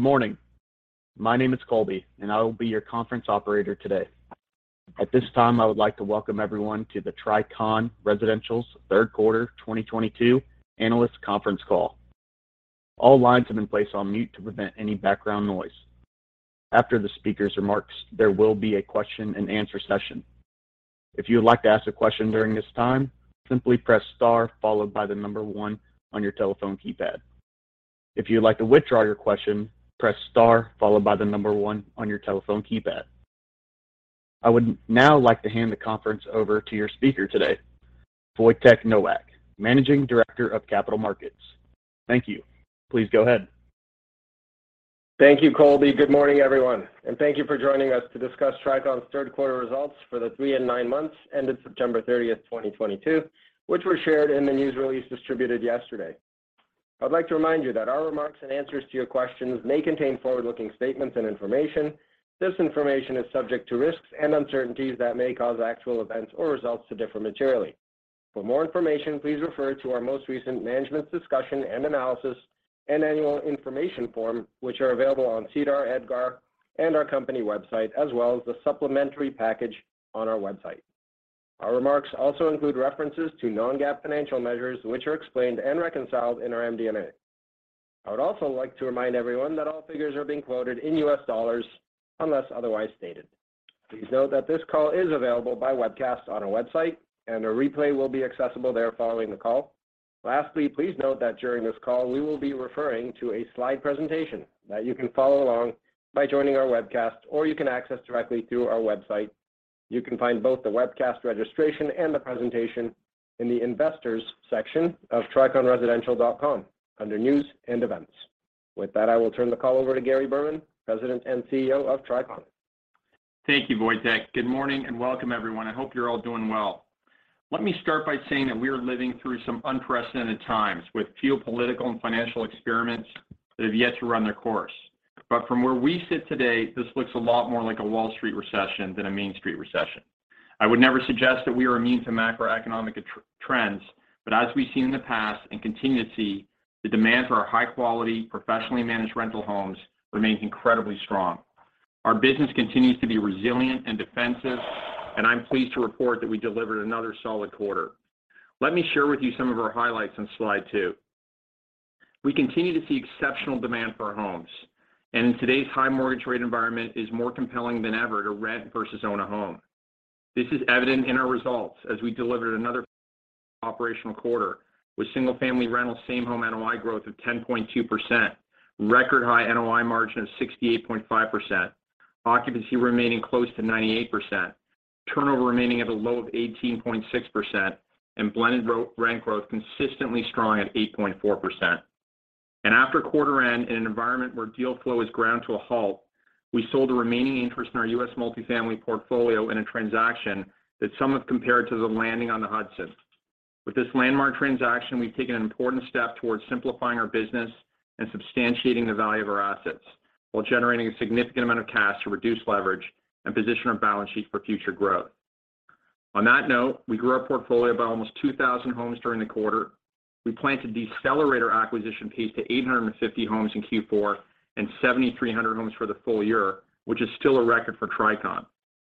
Good morning. My name is Colby, and I will be your conference operator today. At this time, I would like to welcome everyone to the Tricon Residential's third quarter 2022 analyst conference call. All lines have been placed on mute to prevent any background noise. After the speaker's remarks, there will be a question-and-answer session. If you would like to ask a question during this time, simply press star followed by the number one on your telephone keypad. If you would like to withdraw your question, press star followed by the number one on your telephone keypad. I would now like to hand the conference over to your speaker today, Wojtek Nowak, Managing Director of Capital Markets. Thank you. Please go ahead. Thank you, Colby. Good morning, everyone, and thank you for joining us to discuss Tricon's third quarter results for the three and nine months ended September 30th, 2022, which were shared in the news release distributed yesterday. I'd like to remind you that our remarks and answers to your questions may contain forward-looking statements and information. This information is subject to risks and uncertainties that may cause actual events or results to differ materially. For more information, please refer to our most recent Management's Discussion and Analysis and annual information form, which are available on SEDAR, EDGAR, and our company website, as well as the supplementary package on our website. Our remarks also include references to non-GAAP financial measures, which are explained and reconciled in our MD&A. I would also like to remind everyone that all figures are being quoted in U.S. dollars unless otherwise stated. Please note that this call is available by webcast on our website, and a replay will be accessible there following the call. Lastly, please note that during this call we will be referring to a slide presentation that you can follow along by joining our webcast, or you can access directly through our website. You can find both the webcast registration and the presentation in the Investors section of triconresidential.com under News and Events. With that, I will turn the call over to Gary Berman, President and CEO of Tricon Residential. Thank you, Wojtek. Good morning and welcome everyone. I hope you're all doing well. Let me start by saying that we are living through some unprecedented times with geopolitical and financial experiments that have yet to run their course. From where we sit today, this looks a lot more like a Wall Street recession than a Main Street recession. I would never suggest that we are immune to macroeconomic trends, but as we've seen in the past and continue to see, the demand for our high-quality, professionally managed rental homes remains incredibly strong. Our business continues to be resilient and defensive, and I'm pleased to report that we delivered another solid quarter. Let me share with you some of our highlights on slide two. We continue to see exceptional demand for our homes, and in today's high mortgage rate environment is more compelling than ever to rent versus own a home. This is evident in our results as we delivered another operational quarter with single family rental same home NOI growth of 10.2%, record high NOI margin of 68.5%, occupancy remaining close to 98%, turnover remaining at a low of 18.6%, and blended rent growth consistently strong at 8.4%. After quarter end, in an environment where deal flow has ground to a halt, we sold a remaining interest in our U.S. multi-family portfolio in a transaction that some have compared to the landing on the Hudson. With this landmark transaction, we've taken an important step towards simplifying our business and substantiating the value of our assets while generating a significant amount of cash to reduce leverage and position our balance sheet for future growth. On that note, we grew our portfolio by almost 2,000 homes during the quarter. We plan to decelerate our acquisition pace to 850 homes in Q4 and 7,300 homes for the full year, which is still a record for Tricon.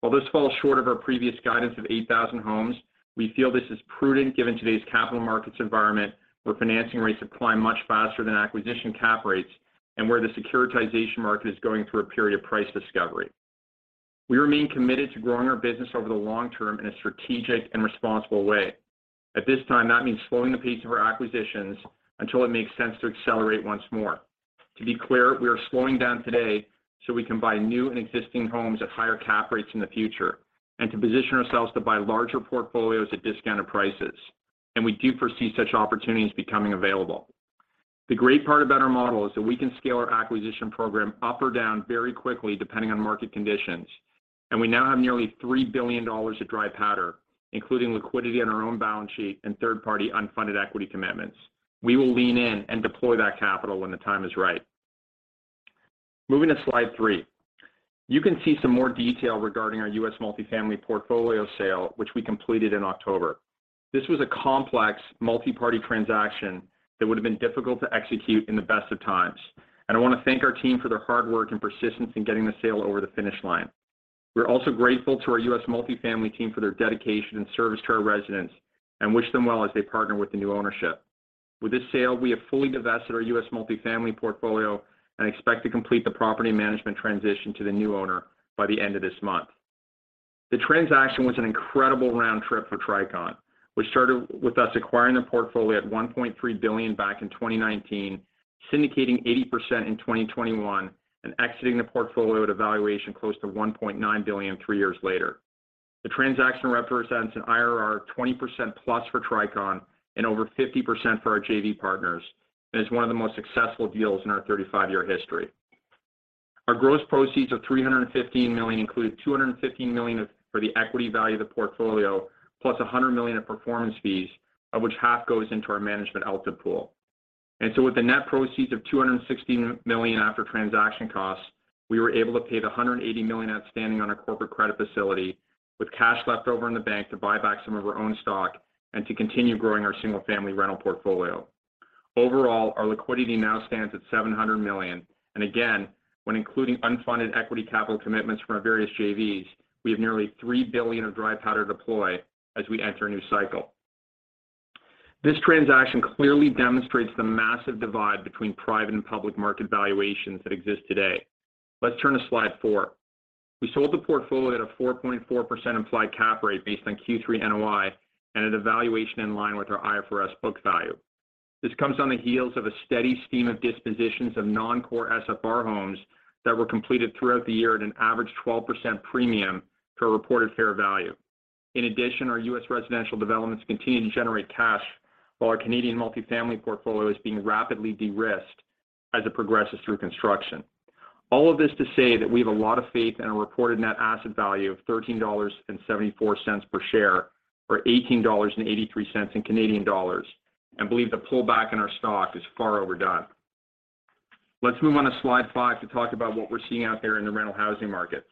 While this falls short of our previous guidance of 8,000 homes, we feel this is prudent given today's capital markets environment, where financing rates have climbed much faster than acquisition cap rates and where the securitization market is going through a period of price discovery. We remain committed to growing our business over the long term in a strategic and responsible way. At this time, that means slowing the pace of our acquisitions until it makes sense to accelerate once more. To be clear, we are slowing down today so we can buy new and existing homes at higher cap rates in the future and to position ourselves to buy larger portfolios at discounted prices. We do foresee such opportunities becoming available. The great part about our model is that we can scale our acquisition program up or down very quickly, depending on market conditions. We now have nearly $3 billion of dry powder, including liquidity on our own balance sheet and third-party unfunded equity commitments. We will lean in and deploy that capital when the time is right. Moving to slide three. You can see some more detail regarding our U.S. multi-family portfolio sale, which we completed in October. This was a complex multi-party transaction that would have been difficult to execute in the best of times, and I want to thank our team for their hard work and persistence in getting the sale over the finish line. We're also grateful to our U.S. multi-family team for their dedication and service to our residents and wish them well as they partner with the new ownership. With this sale, we have fully divested our U.S. multi-family portfolio and expect to complete the property management transition to the new owner by the end of this month. The transaction was an incredible round trip for Tricon, which started with us acquiring the portfolio at $1.3 billion back in 2019, syndicating 80% in 2021, and exiting the portfolio at a valuation close to $1.9 billion three years later. The transaction represents an IRR 20%+ for Tricon and over 50% for our JV partners, and is one of the most successful deals in our 35-year history. Our gross proceeds of $315 million include $215 million for the equity value of the portfolio, plus $100 million of performance fees, of which half goes into our management LTIP pool. With the net proceeds of $216 million after transaction costs, we were able to pay the $180 million outstanding on our corporate credit facility with cash left over in the bank to buy back some of our own stock and to continue growing our single-family rental portfolio. Overall, our liquidity now stands at $700 million. Again, when including unfunded equity capital commitments from our various JVs, we have nearly $3 billion of dry powder to deploy as we enter a new cycle. This transaction clearly demonstrates the massive divide between private and public market valuations that exist today. Let's turn to slide 4. We sold the portfolio at a 4.4% implied cap rate based on Q3 NOI and at a valuation in line with our IFRS book value. This comes on the heels of a steady stream of dispositions of non-core SFR homes that were completed throughout the year at an average 12% premium to a reported fair value. In addition, our U.S. residential developments continue to generate cash while our Canadian multi-family portfolio is being rapidly de-risked as it progresses through construction. All of this to say that we have a lot of faith in a reported net asset value of $13.74 per share, or 18.83 dollars in Canadian dollars, and believe the pullback in our stock is far overdone. Let's move on to slide 5 to talk about what we're seeing out there in the rental housing market.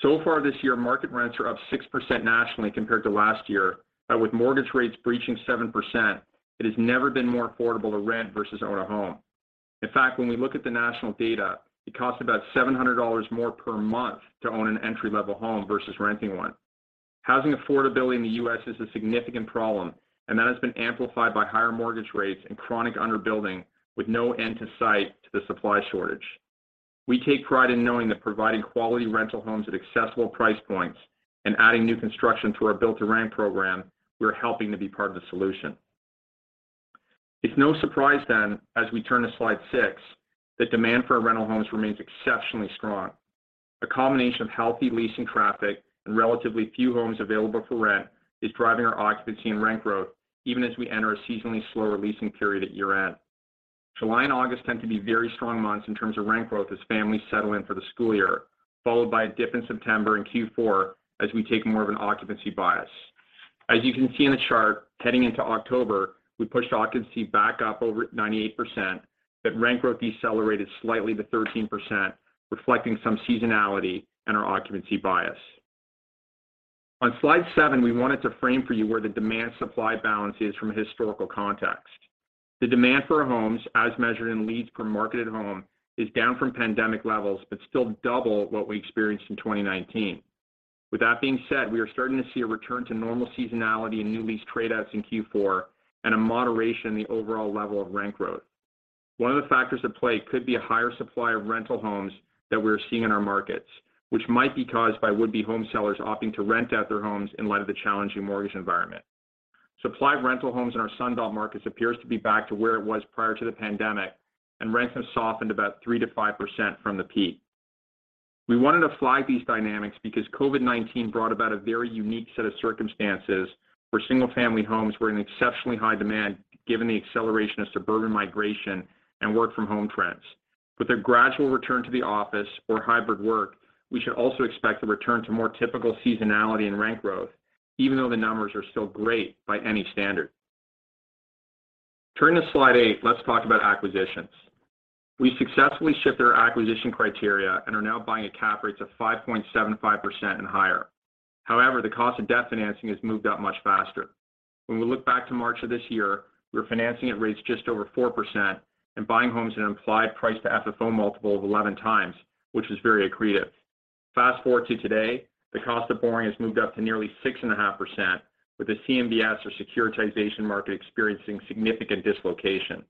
So far this year, market rents are up 6% nationally compared to last year. With mortgage rates breaching 7%, it has never been more affordable to rent versus own a home. In fact, when we look at the national data, it costs about $700 more per month to own an entry-level home versus renting one. Housing affordability in the U.S. is a significant problem, and that has been amplified by higher mortgage rates and chronic under-building with no end in sight to the supply shortage. We take pride in knowing that providing quality rental homes at accessible price points and adding new construction to our build-to-rent program, we're helping to be part of the solution. It's no surprise then, as we turn to slide 6, that demand for our rental homes remains exceptionally strong. A combination of healthy leasing traffic and relatively few homes available for rent is driving our occupancy and rent growth even as we enter a seasonally slower leasing period at year-end. July and August tend to be very strong months in terms of rent growth as families settle in for the school year, followed by a dip in September and Q4 as we take more of an occupancy bias. As you can see in the chart, heading into October, we pushed occupancy back up over 98%, but rent growth decelerated slightly to 13%, reflecting some seasonality and our occupancy bias. On slide seven, we wanted to frame for you where the demand-supply balance is from a historical context. The demand for our homes, as measured in leads per marketed home, is down from pandemic levels, but still double what we experienced in 2019. With that being said, we are starting to see a return to normal seasonality in new lease trade outs in Q4 and a moderation in the overall level of rent growth. One of the factors at play could be a higher supply of rental homes that we're seeing in our markets, which might be caused by would-be home sellers opting to rent out their homes in light of the challenging mortgage environment. Supply of rental homes in our Sun Belt markets appears to be back to where it was prior to the pandemic, and rents have softened about 3%-5% from the peak. We wanted to flag these dynamics because COVID-19 brought about a very unique set of circumstances where single-family homes were in exceptionally high demand given the acceleration of suburban migration and work-from-home trends. With a gradual return to the office or hybrid work, we should also expect a return to more typical seasonality in rent growth, even though the numbers are still great by any standard. Turning to slide eight, let's talk about acquisitions. We successfully shifted our acquisition criteria and are now buying at cap rates of 5.75% and higher. However, the cost of debt financing has moved up much faster. When we look back to March of this year, we were financing at rates just over 4% and buying homes at an implied price-to-FFO multiple of 11x, which was very accretive. Fast-forward to today, the cost of borrowing has moved up to nearly 6.5%, with the CMBS or securitization market experiencing significant dislocation.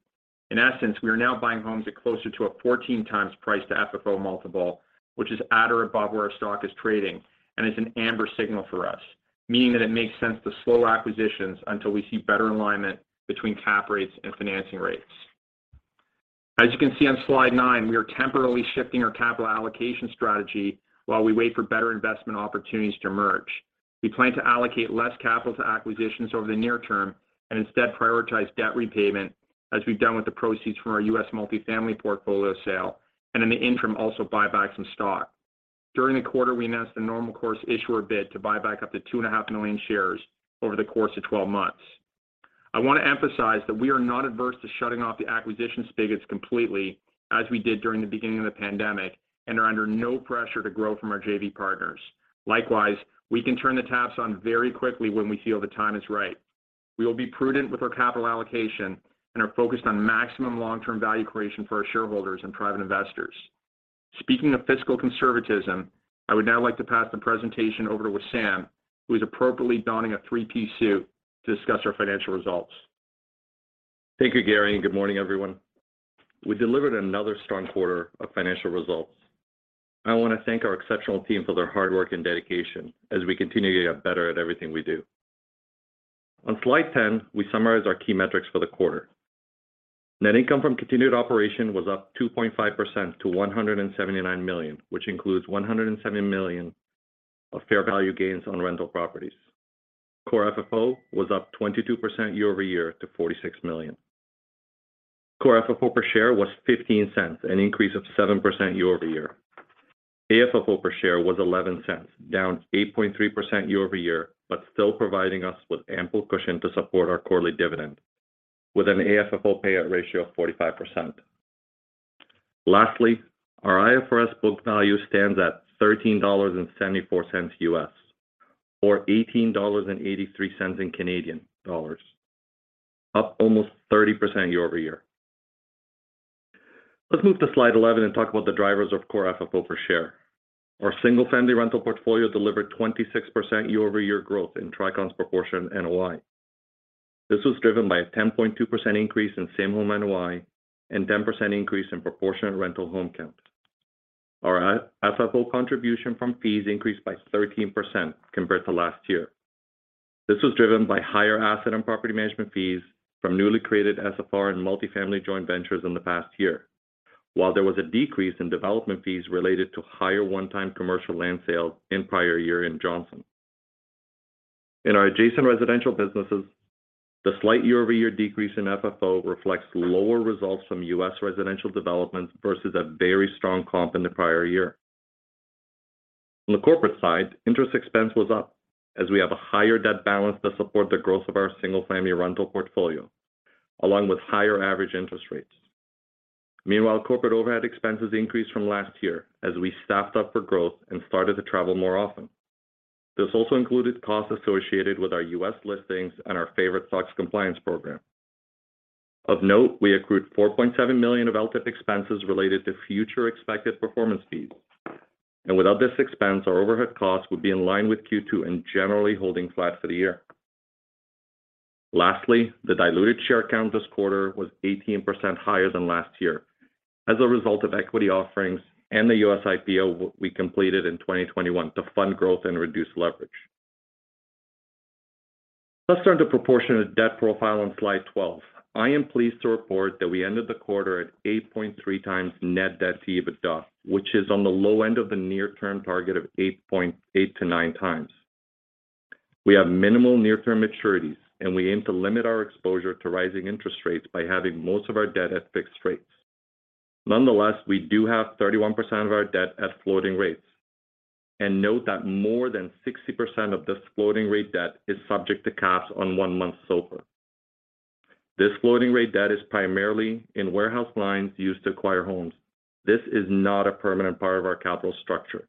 In essence, we are now buying homes at closer to a 14x price-to-FFO multiple, which is at or above where our stock is trading and is an amber signal for us, meaning that it makes sense to slow acquisitions until we see better alignment between cap rates and financing rates. As you can see on slide nine, we are temporarily shifting our capital allocation strategy while we wait for better investment opportunities to emerge. We plan to allocate less capital to acquisitions over the near term and instead prioritize debt repayment as we've done with the proceeds from our U.S. multi-family portfolio sale and in the interim, also buy back some stock. During the quarter, we announced a normal course issuer bid to buy back up to 2.5 million shares over the course of 12 months. I want to emphasize that we are not adverse to shutting off the acquisition spigots completely, as we did during the beginning of the pandemic, and are under no pressure to grow from our JV partners. Likewise, we can turn the taps on very quickly when we feel the time is right. We will be prudent with our capital allocation and are focused on maximum long-term value creation for our shareholders and private investors. Speaking of fiscal conservatism, I would now like to pass the presentation over to Wissam, who is appropriately donning a three-piece suit to discuss our financial results. Thank you, Gary, and good morning, everyone. We delivered another strong quarter of financial results. I want to thank our exceptional team for their hard work and dedication as we continue to get better at everything we do. On slide 10, we summarize our key metrics for the quarter. Net income from continuing operations was up 2.5% to $179 million, which includes $170 million of fair value gains on rental properties. Core FFO was up 22% year-over-year to $46 million. Core FFO per share was $0.15, an increase of 7% year-over-year. AFFO per share was $0.11, down 8.3% year-over-year, but still providing us with ample cushion to support our quarterly dividend with an AFFO payout ratio of 45%. Lastly, our IFRS book value stands at $13.74, or 18.83 dollars, up almost 30% year-over-year. Let's move to slide 11 and talk about the drivers of core AFFO per share. Our single-family rental portfolio delivered 26% year-over-year growth in Tricon's proportionate NOI. This was driven by a 10.2% increase in same-home NOI and 10% increase in proportionate rental home count. Our FFO contribution from fees increased by 13% compared to last year. This was driven by higher asset and property management fees from newly created SFR and multi-family joint ventures in the past year. While there was a decrease in development fees related to higher one-time commercial land sales in prior year in the Johnson. In our adjacent residential businesses, the slight year-over-year decrease in FFO reflects lower results from U.S. residential developments versus a very strong comp in the prior year. On the corporate side, interest expense was up as we have a higher debt balance to support the growth of our single-family rental portfolio, along with higher average interest rates. Meanwhile, corporate overhead expenses increased from last year as we staffed up for growth and started to travel more often. This also included costs associated with our U.S. listings and our SOX compliance program. Of note, we accrued $4.7 million of LTIP expenses related to future expected performance fees. Without this expense, our overhead costs would be in line with Q2 and generally holding flat for the year. Lastly, the diluted share count this quarter was 18% higher than last year as a result of equity offerings and the U.S. IPO we completed in 2021 to fund growth and reduce leverage. Let's turn to proportionate debt profile on slide 12. I am pleased to report that we ended the quarter at 8.3x net debt to EBITDA, which is on the low end of the near term target of 8.8x-9x. We have minimal near term maturities, and we aim to limit our exposure to rising interest rates by having most of our debt at fixed rates. Nonetheless, we do have 31% of our debt at floating rates, and note that more than 60% of this floating rate debt is subject to caps on one-month SOFR. This floating rate debt is primarily in warehouse lines used to acquire homes. This is not a permanent part of our capital structure,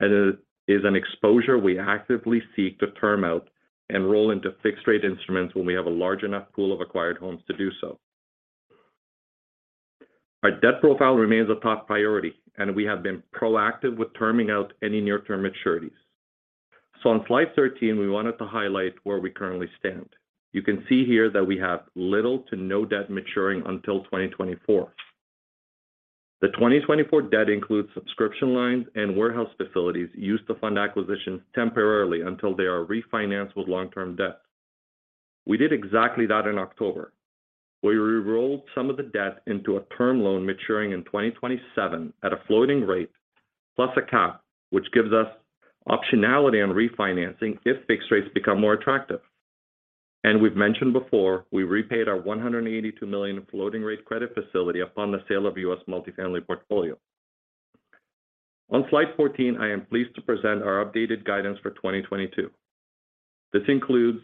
and it is an exposure we actively seek to term out and roll into fixed rate instruments when we have a large enough pool of acquired homes to do so. Our debt profile remains a top priority, and we have been proactive with terming out any near term maturities. On slide 13, we wanted to highlight where we currently stand. You can see here that we have little to no debt maturing until 2024. The 2024 debt includes subscription lines and warehouse facilities used to fund acquisitions temporarily until they are refinanced with long term debt. We did exactly that in October. We rerolled some of the debt into a term loan maturing in 2027 at a floating rate plus a cap, which gives us optionality on refinancing if fixed rates become more attractive. We've mentioned before, we repaid our $182 million floating rate credit facility upon the sale of U.S. multi-family portfolio. On slide 14, I am pleased to present our updated guidance for 2022. This includes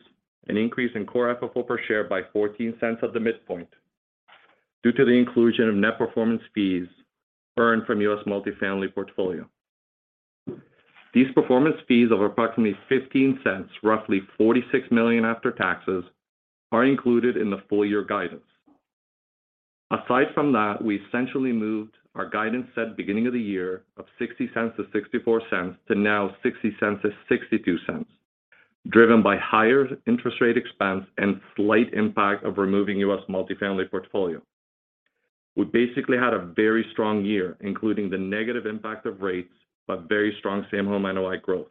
an increase in core FFO per share by $0.14 at the midpoint due to the inclusion of net performance fees earned from U.S. multi-family portfolio. These performance fees of approximately $0.15, roughly $46 million after taxes, are included in the full year guidance. Aside from that, we essentially moved our guidance set beginning of the year of $0.60-$0.64 to now $0.60-$0.62, driven by higher interest rate expense and slight impact of removing U.S. multi-family portfolio. We basically had a very strong year, including the negative impact of rates, but very strong same home NOI growth.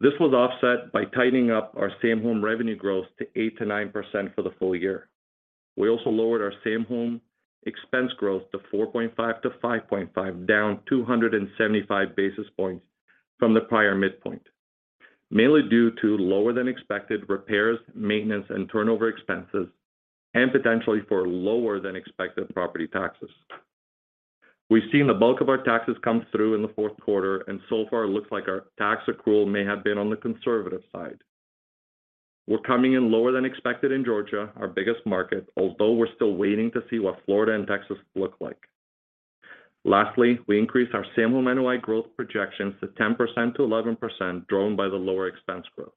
This was offset by tightening up our same home revenue growth to 8%-9% for the full year. We also lowered our same home expense growth to 4.5%-5.5%, down 275 basis points from the prior midpoint, mainly due to lower than expected repairs, maintenance, and turnover expenses, and potentially for lower than expected property taxes. We've seen the bulk of our taxes come through in the fourth quarter, and so far it looks like our tax accrual may have been on the conservative side. We're coming in lower than expected in Georgia, our biggest market, although we're still waiting to see what Florida and Texas look like. Lastly, we increased our same home NOI growth projections to 10%-11%, driven by the lower expense growth.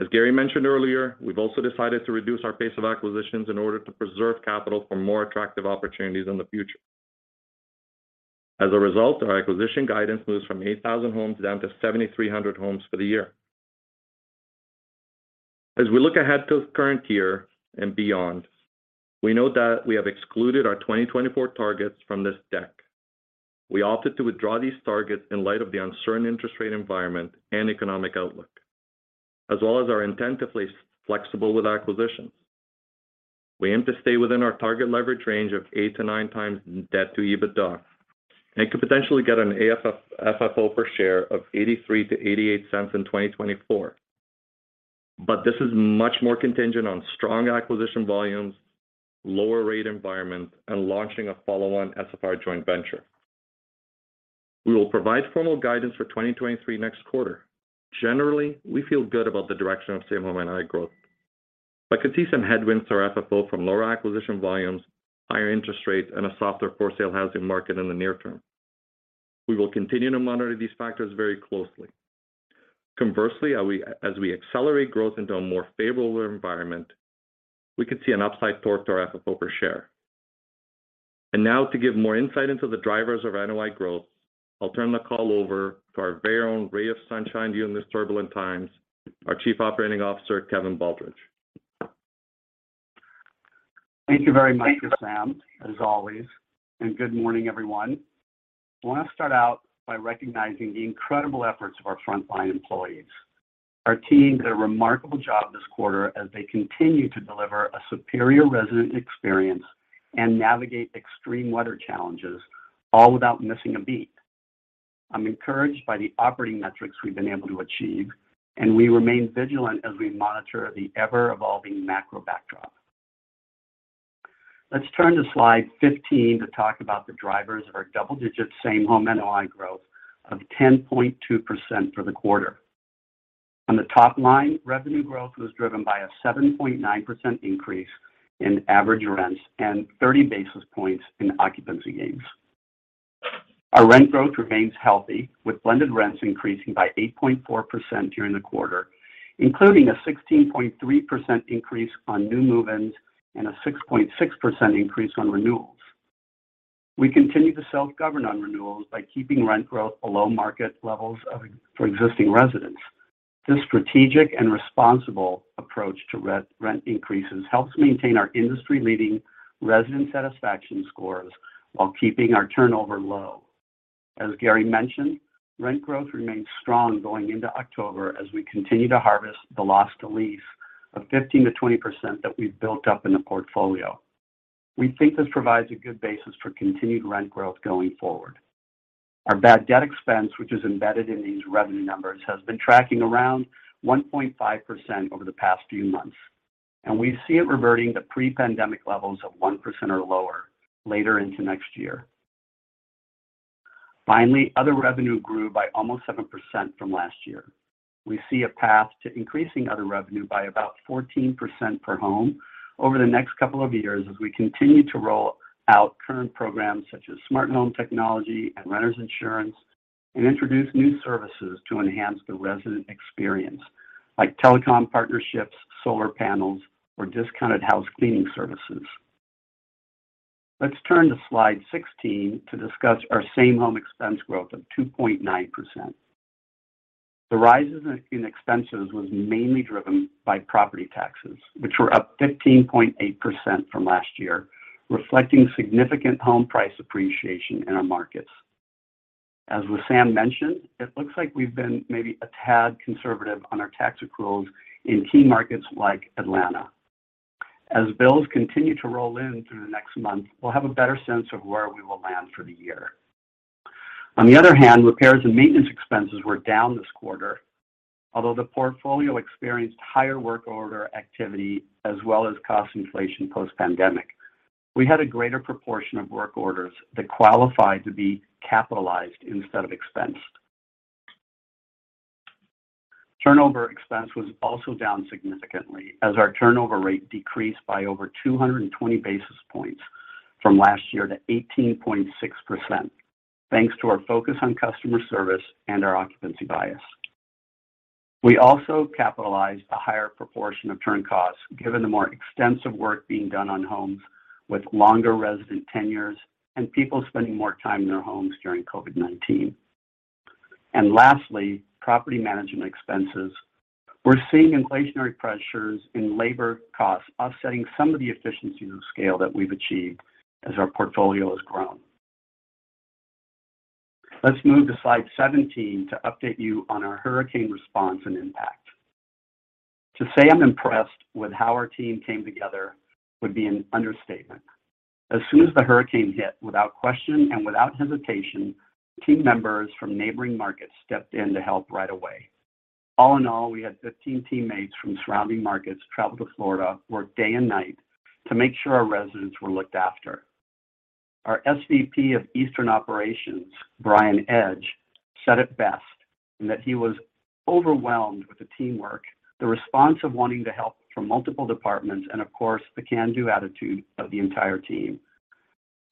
As Gary mentioned earlier, we've also decided to reduce our pace of acquisitions in order to preserve capital for more attractive opportunities in the future. As a result, our acquisition guidance moves from 8,000 homes down to 7,300 homes for the year. As we look ahead to the current year and beyond, we note that we have excluded our 2024 targets from this deck. We opted to withdraw these targets in light of the uncertain interest rate environment and economic outlook, as well as our intent to be flexible with acquisitions. We aim to stay within our target leverage range of 8x-9x debt to EBITDA, and could potentially get an AFFO per share of $0.83-$0.88 in 2024. This is much more contingent on strong acquisition volumes, lower rate environment, and launching a follow-on SFR joint venture. We will provide formal guidance for 2023 next quarter. Generally, we feel good about the direction of same home NOI growth. I could see some headwinds to our FFO from lower acquisition volumes, higher interest rates, and a softer for-sale housing market in the near term. We will continue to monitor these factors very closely. Conversely, as we accelerate growth into a more favorable environment, we could see an upside torque to our FFO per share. Now to give more insight into the drivers of NOI growth, I'll turn the call over to our very own ray of sunshine during these turbulent times, our Chief Operating Officer, Kevin Baldridge. Thank you very much, Wissam, as always, and good morning, everyone. I want to start out by recognizing the incredible efforts of our frontline employees. Our team did a remarkable job this quarter as they continue to deliver a superior resident experience and navigate extreme weather challenges, all without missing a beat. I'm encouraged by the operating metrics we've been able to achieve, and we remain vigilant as we monitor the ever-evolving macro backdrop. Let's turn to slide 15 to talk about the drivers of our double-digit same home NOI growth of 10.2% for the quarter. On the top line, revenue growth was driven by a 7.9% increase in average rents and 30 basis points in occupancy gains. Our rent growth remains healthy, with blended rents increasing by 8.4% during the quarter, including a 16.3% increase on new move-ins and a 6.6% increase on renewals. We continue to self-govern on renewals by keeping rent growth below market levels for existing residents. This strategic and responsible approach to re-rent increases helps maintain our industry-leading resident satisfaction scores while keeping our turnover low. As Gary mentioned, rent growth remains strong going into October as we continue to harvest the loss to lease of 15%-20% that we've built up in the portfolio. We think this provides a good basis for continued rent growth going forward. Our bad debt expense, which is embedded in these revenue numbers, has been tracking around 1.5% over the past few months, and we see it reverting to pre-pandemic levels of 1% or lower later into next year. Finally, other revenue grew by almost 7% from last year. We see a path to increasing other revenue by about 14% per home over the next couple of years as we continue to roll out current programs such as smart home technology and renters insurance and introduce new services to enhance the resident experience, like telecom partnerships, solar panels, or discounted house cleaning services. Let's turn to slide 16 to discuss our same home expense growth of 2.9%. The rises in expenses was mainly driven by property taxes, which were up 15.8% from last year, reflecting significant home price appreciation in our markets. As Wissam mentioned, it looks like we've been maybe a tad conservative on our tax accruals in key markets like Atlanta. As bills continue to roll in through the next month, we'll have a better sense of where we will land for the year. On the other hand, repairs and maintenance expenses were down this quarter. Although the portfolio experienced higher work order activity as well as cost inflation post-pandemic, we had a greater proportion of work orders that qualified to be capitalized instead of expensed. Turnover expense was also down significantly as our turnover rate decreased by over 220 basis points from last year to 18.6%, thanks to our focus on customer service and our occupancy bias. We also capitalized a higher proportion of turn costs, given the more extensive work being done on homes with longer resident tenures and people spending more time in their homes during COVID-19. Lastly, property management expenses. We're seeing inflationary pressures in labor costs offsetting some of the economies of scale that we've achieved as our portfolio has grown. Let's move to slide 17 to update you on our hurricane response and impact. To say I'm impressed with how our team came together would be an understatement. As soon as the hurricane hit, without question and without hesitation, team members from neighboring markets stepped in to help right away. All in all, we had 15 teammates from surrounding markets travel to Florida, work day and night to make sure our residents were looked after. Our SVP of Eastern Operations, Brian Edge, said it best in that he was overwhelmed with the teamwork, the response of wanting to help from multiple departments, and of course, the can-do attitude of the entire team.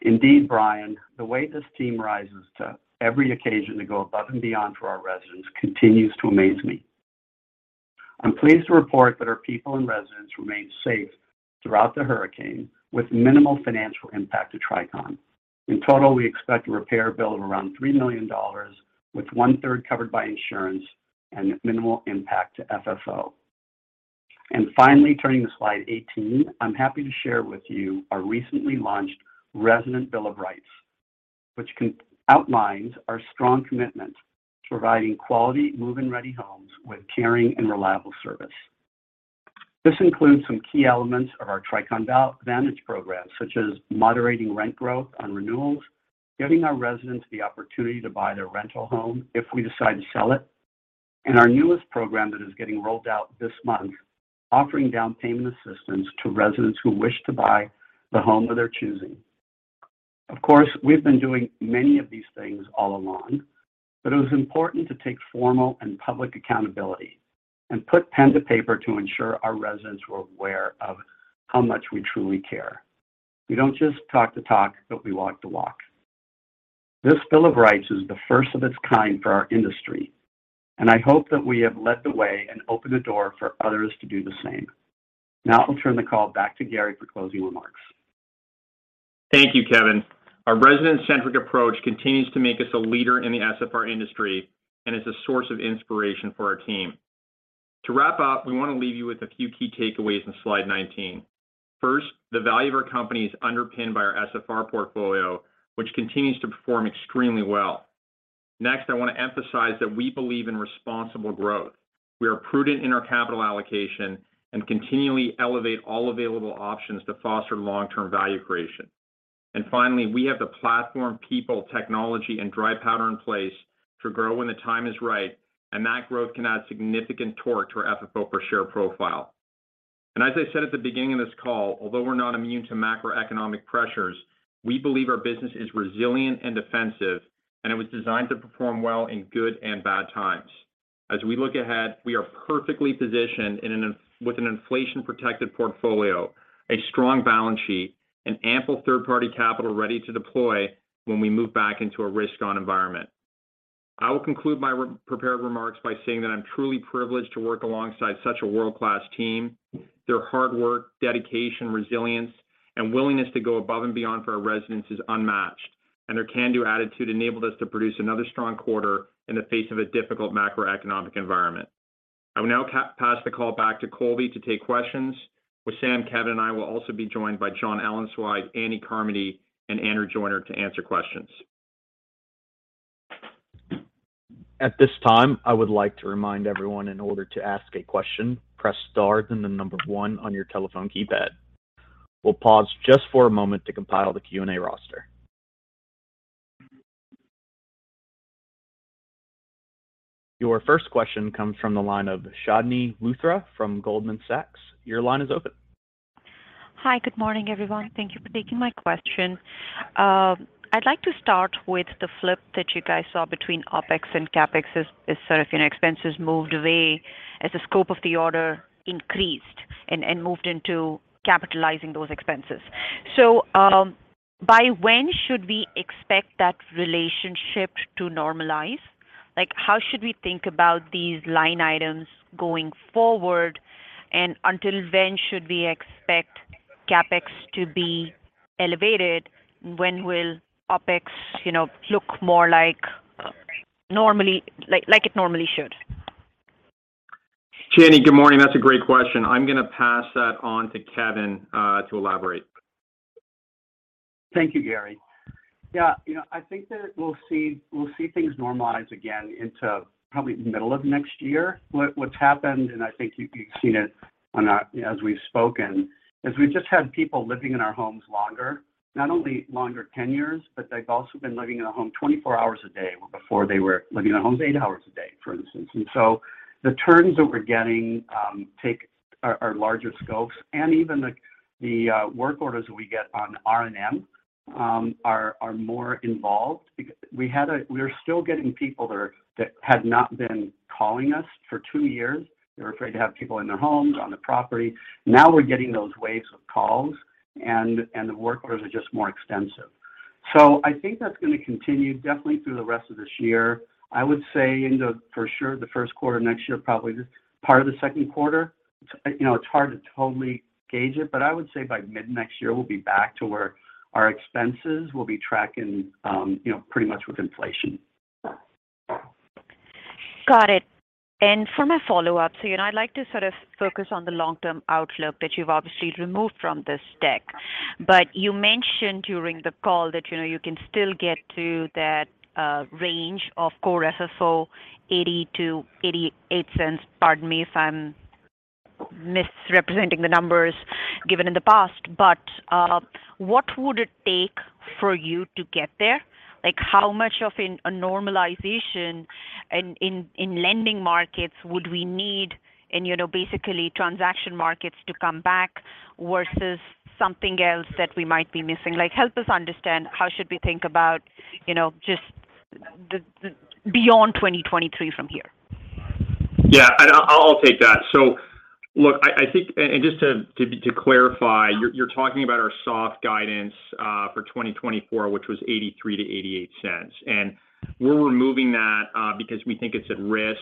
Indeed, Brian, the way this team rises to every occasion to go above and beyond for our residents continues to amaze me. I'm pleased to report that our people and residents remained safe throughout the hurricane with minimal financial impact to Tricon. In total, we expect a repair bill of around $3 million, with 1/3 covered by insurance and minimal impact to FFO. Finally, turning to slide 18, I'm happy to share with you our recently launched Resident Bill of Rights, which outlines our strong commitment to providing quality move-in-ready homes with caring and reliable service. This includes some key elements of our Tricon Vantage program, such as moderating rent growth on renewals, giving our residents the opportunity to buy their rental home if we decide to sell it, and our newest program that is getting rolled out this month, offering down payment assistance to residents who wish to buy the home of their choosing. Of course, we've been doing many of these things all along, but it was important to take formal and public accountability and put pen to paper to ensure our residents were aware of how much we truly care. We don't just talk the talk, but we walk the walk. This bill of rights is the first of its kind for our industry, and I hope that we have led the way and opened the door for others to do the same. Now I'll turn the call back to Gary for closing remarks. Thank you, Kevin. Our resident-centric approach continues to make us a leader in the SFR industry and is a source of inspiration for our team. To wrap up, we want to leave you with a few key takeaways in slide 19. First, the value of our company is underpinned by our SFR portfolio, which continues to perform extremely well. Next, I want to emphasize that we believe in responsible growth. We are prudent in our capital allocation and continually elevate all available options to foster long-term value creation. Finally, we have the platform, people, technology, and dry powder in place to grow when the time is right, and that growth can add significant torque to our FFO per share profile. As I said at the beginning of this call, although we're not immune to macroeconomic pressures, we believe our business is resilient and defensive, and it was designed to perform well in good and bad times. As we look ahead, we are perfectly positioned with an inflation-protected portfolio, a strong balance sheet, and ample third-party capital ready to deploy when we move back into a risk-on environment. I will conclude my prepared remarks by saying that I'm truly privileged to work alongside such a world-class team. Their hard work, dedication, resilience, and willingness to go above and beyond for our residents is unmatched, and their can-do attitude enabled us to produce another strong quarter in the face of a difficult macroeconomic environment. I will now pass the call back to Colby to take questions, where Wissam, Kevin, and I will also be joined by Jonathan Ellenzweig, Andy Carmody, and Andrew Joyner to answer questions. At this time, I would like to remind everyone in order to ask a question, press star, then the number one on your telephone keypad. We'll pause just for a moment to compile the Q&A roster. Your first question comes from the line of Chandni Luthra from Goldman Sachs. Your line is open. Hi. Good morning, everyone. Thank you for taking my question. I'd like to start with the flip that you guys saw between OpEx and CapEx as sort of expenses moved away as the scope of the order increased and moved into capitalizing those expenses. By when should we expect that relationship to normalize? Like, how should we think about these line items going forward? Until when should we expect CapEx to be elevated? When will OpEx, you know, look more like normal, like it normally should? Chandni, good morning. That's a great question. I'm gonna pass that on to Kevin, to elaborate. Thank you, Gary. Yeah, you know, I think that we'll see things normalize again into probably the middle of next year. What's happened, and I think you've seen it as we've spoken, is we've just had people living in our homes longer, not only longer tenures, but they've also been living in a home 24 hours a day before they were living in homes eight hours a day, for instance. The turns that we're getting are larger scopes, and even the work orders we get on R&M are more involved. We're still getting people that had not been calling us for two years. They were afraid to have people in their homes, on the property. Now we're getting those waves of calls and the work orders are just more extensive. I think that's gonna continue definitely through the rest of this year. I would say into, for sure, the first quarter next year, probably part of the second quarter. You know, it's hard to totally gauge it, but I would say by mid-next year, we'll be back to where our expenses will be tracking, you know, pretty much with inflation. Got it. For my follow-up, you know, I'd like to sort of focus on the long-term outlook that you've obviously removed from this deck. You mentioned during the call that, you know, you can still get to that range of core FFO, $0.80-$0.88. Pardon me if I'm misrepresenting the numbers given in the past, but what would it take for you to get there? Like, how much of a normalization in lending markets would we need and, you know, basically transaction markets to come back versus something else that we might be missing? Like, help us understand how should we think about, you know, just the beyond 2023 from here. Yeah, I'll take that. Look, I think and just to clarify, you're talking about our soft guidance for 2024, which was $0.83-$0.88. We're removing that because we think it's at risk.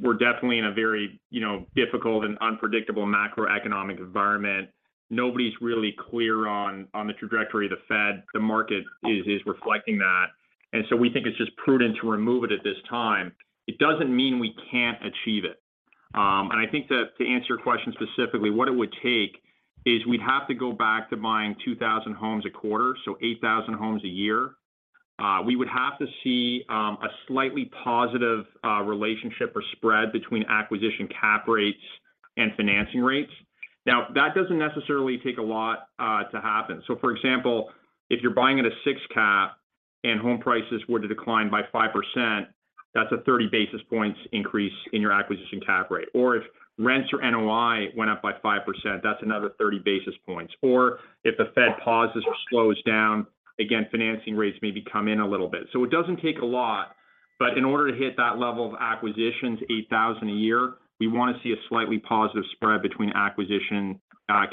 We're definitely in a very, you know, difficult and unpredictable macroeconomic environment. Nobody's really clear on the trajectory of the Fed. The market is reflecting that. We think it's just prudent to remove it at this time. It doesn't mean we can't achieve it. I think that to answer your question specifically, what it would take is we'd have to go back to buying 2,000 homes a quarter, so 8,000 homes a year. We would have to see a slightly positive relationship or spread between acquisition cap rates and financing rates. Now, that doesn't necessarily take a lot to happen. For example, if you're buying at a 6% cap and home prices were to decline by 5%, that's a 30 basis points increase in your acquisition cap rate. If rents or NOI went up by 5%, that's another 30 basis points. If the Fed pauses or slows down, again, financing rates maybe come in a little bit. It doesn't take a lot. In order to hit that level of acquisitions, 8,000 a year, we want to see a slightly positive spread between acquisition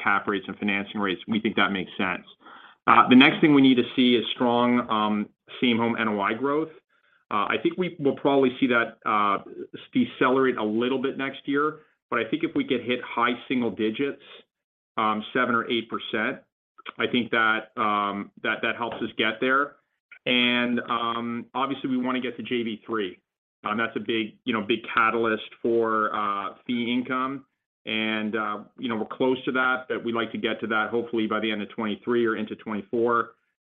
cap rates and financing rates. We think that makes sense. The next thing we need to see is strong same home NOI growth. I think we will probably see that decelerate a little bit next year. I think if we could hit high single digits, 7% or 8%, I think that helps us get there. Obviously we want to get to JV-3. That's a big catalyst for fee income and we're close to that, but we'd like to get to that hopefully by the end of 2023 or into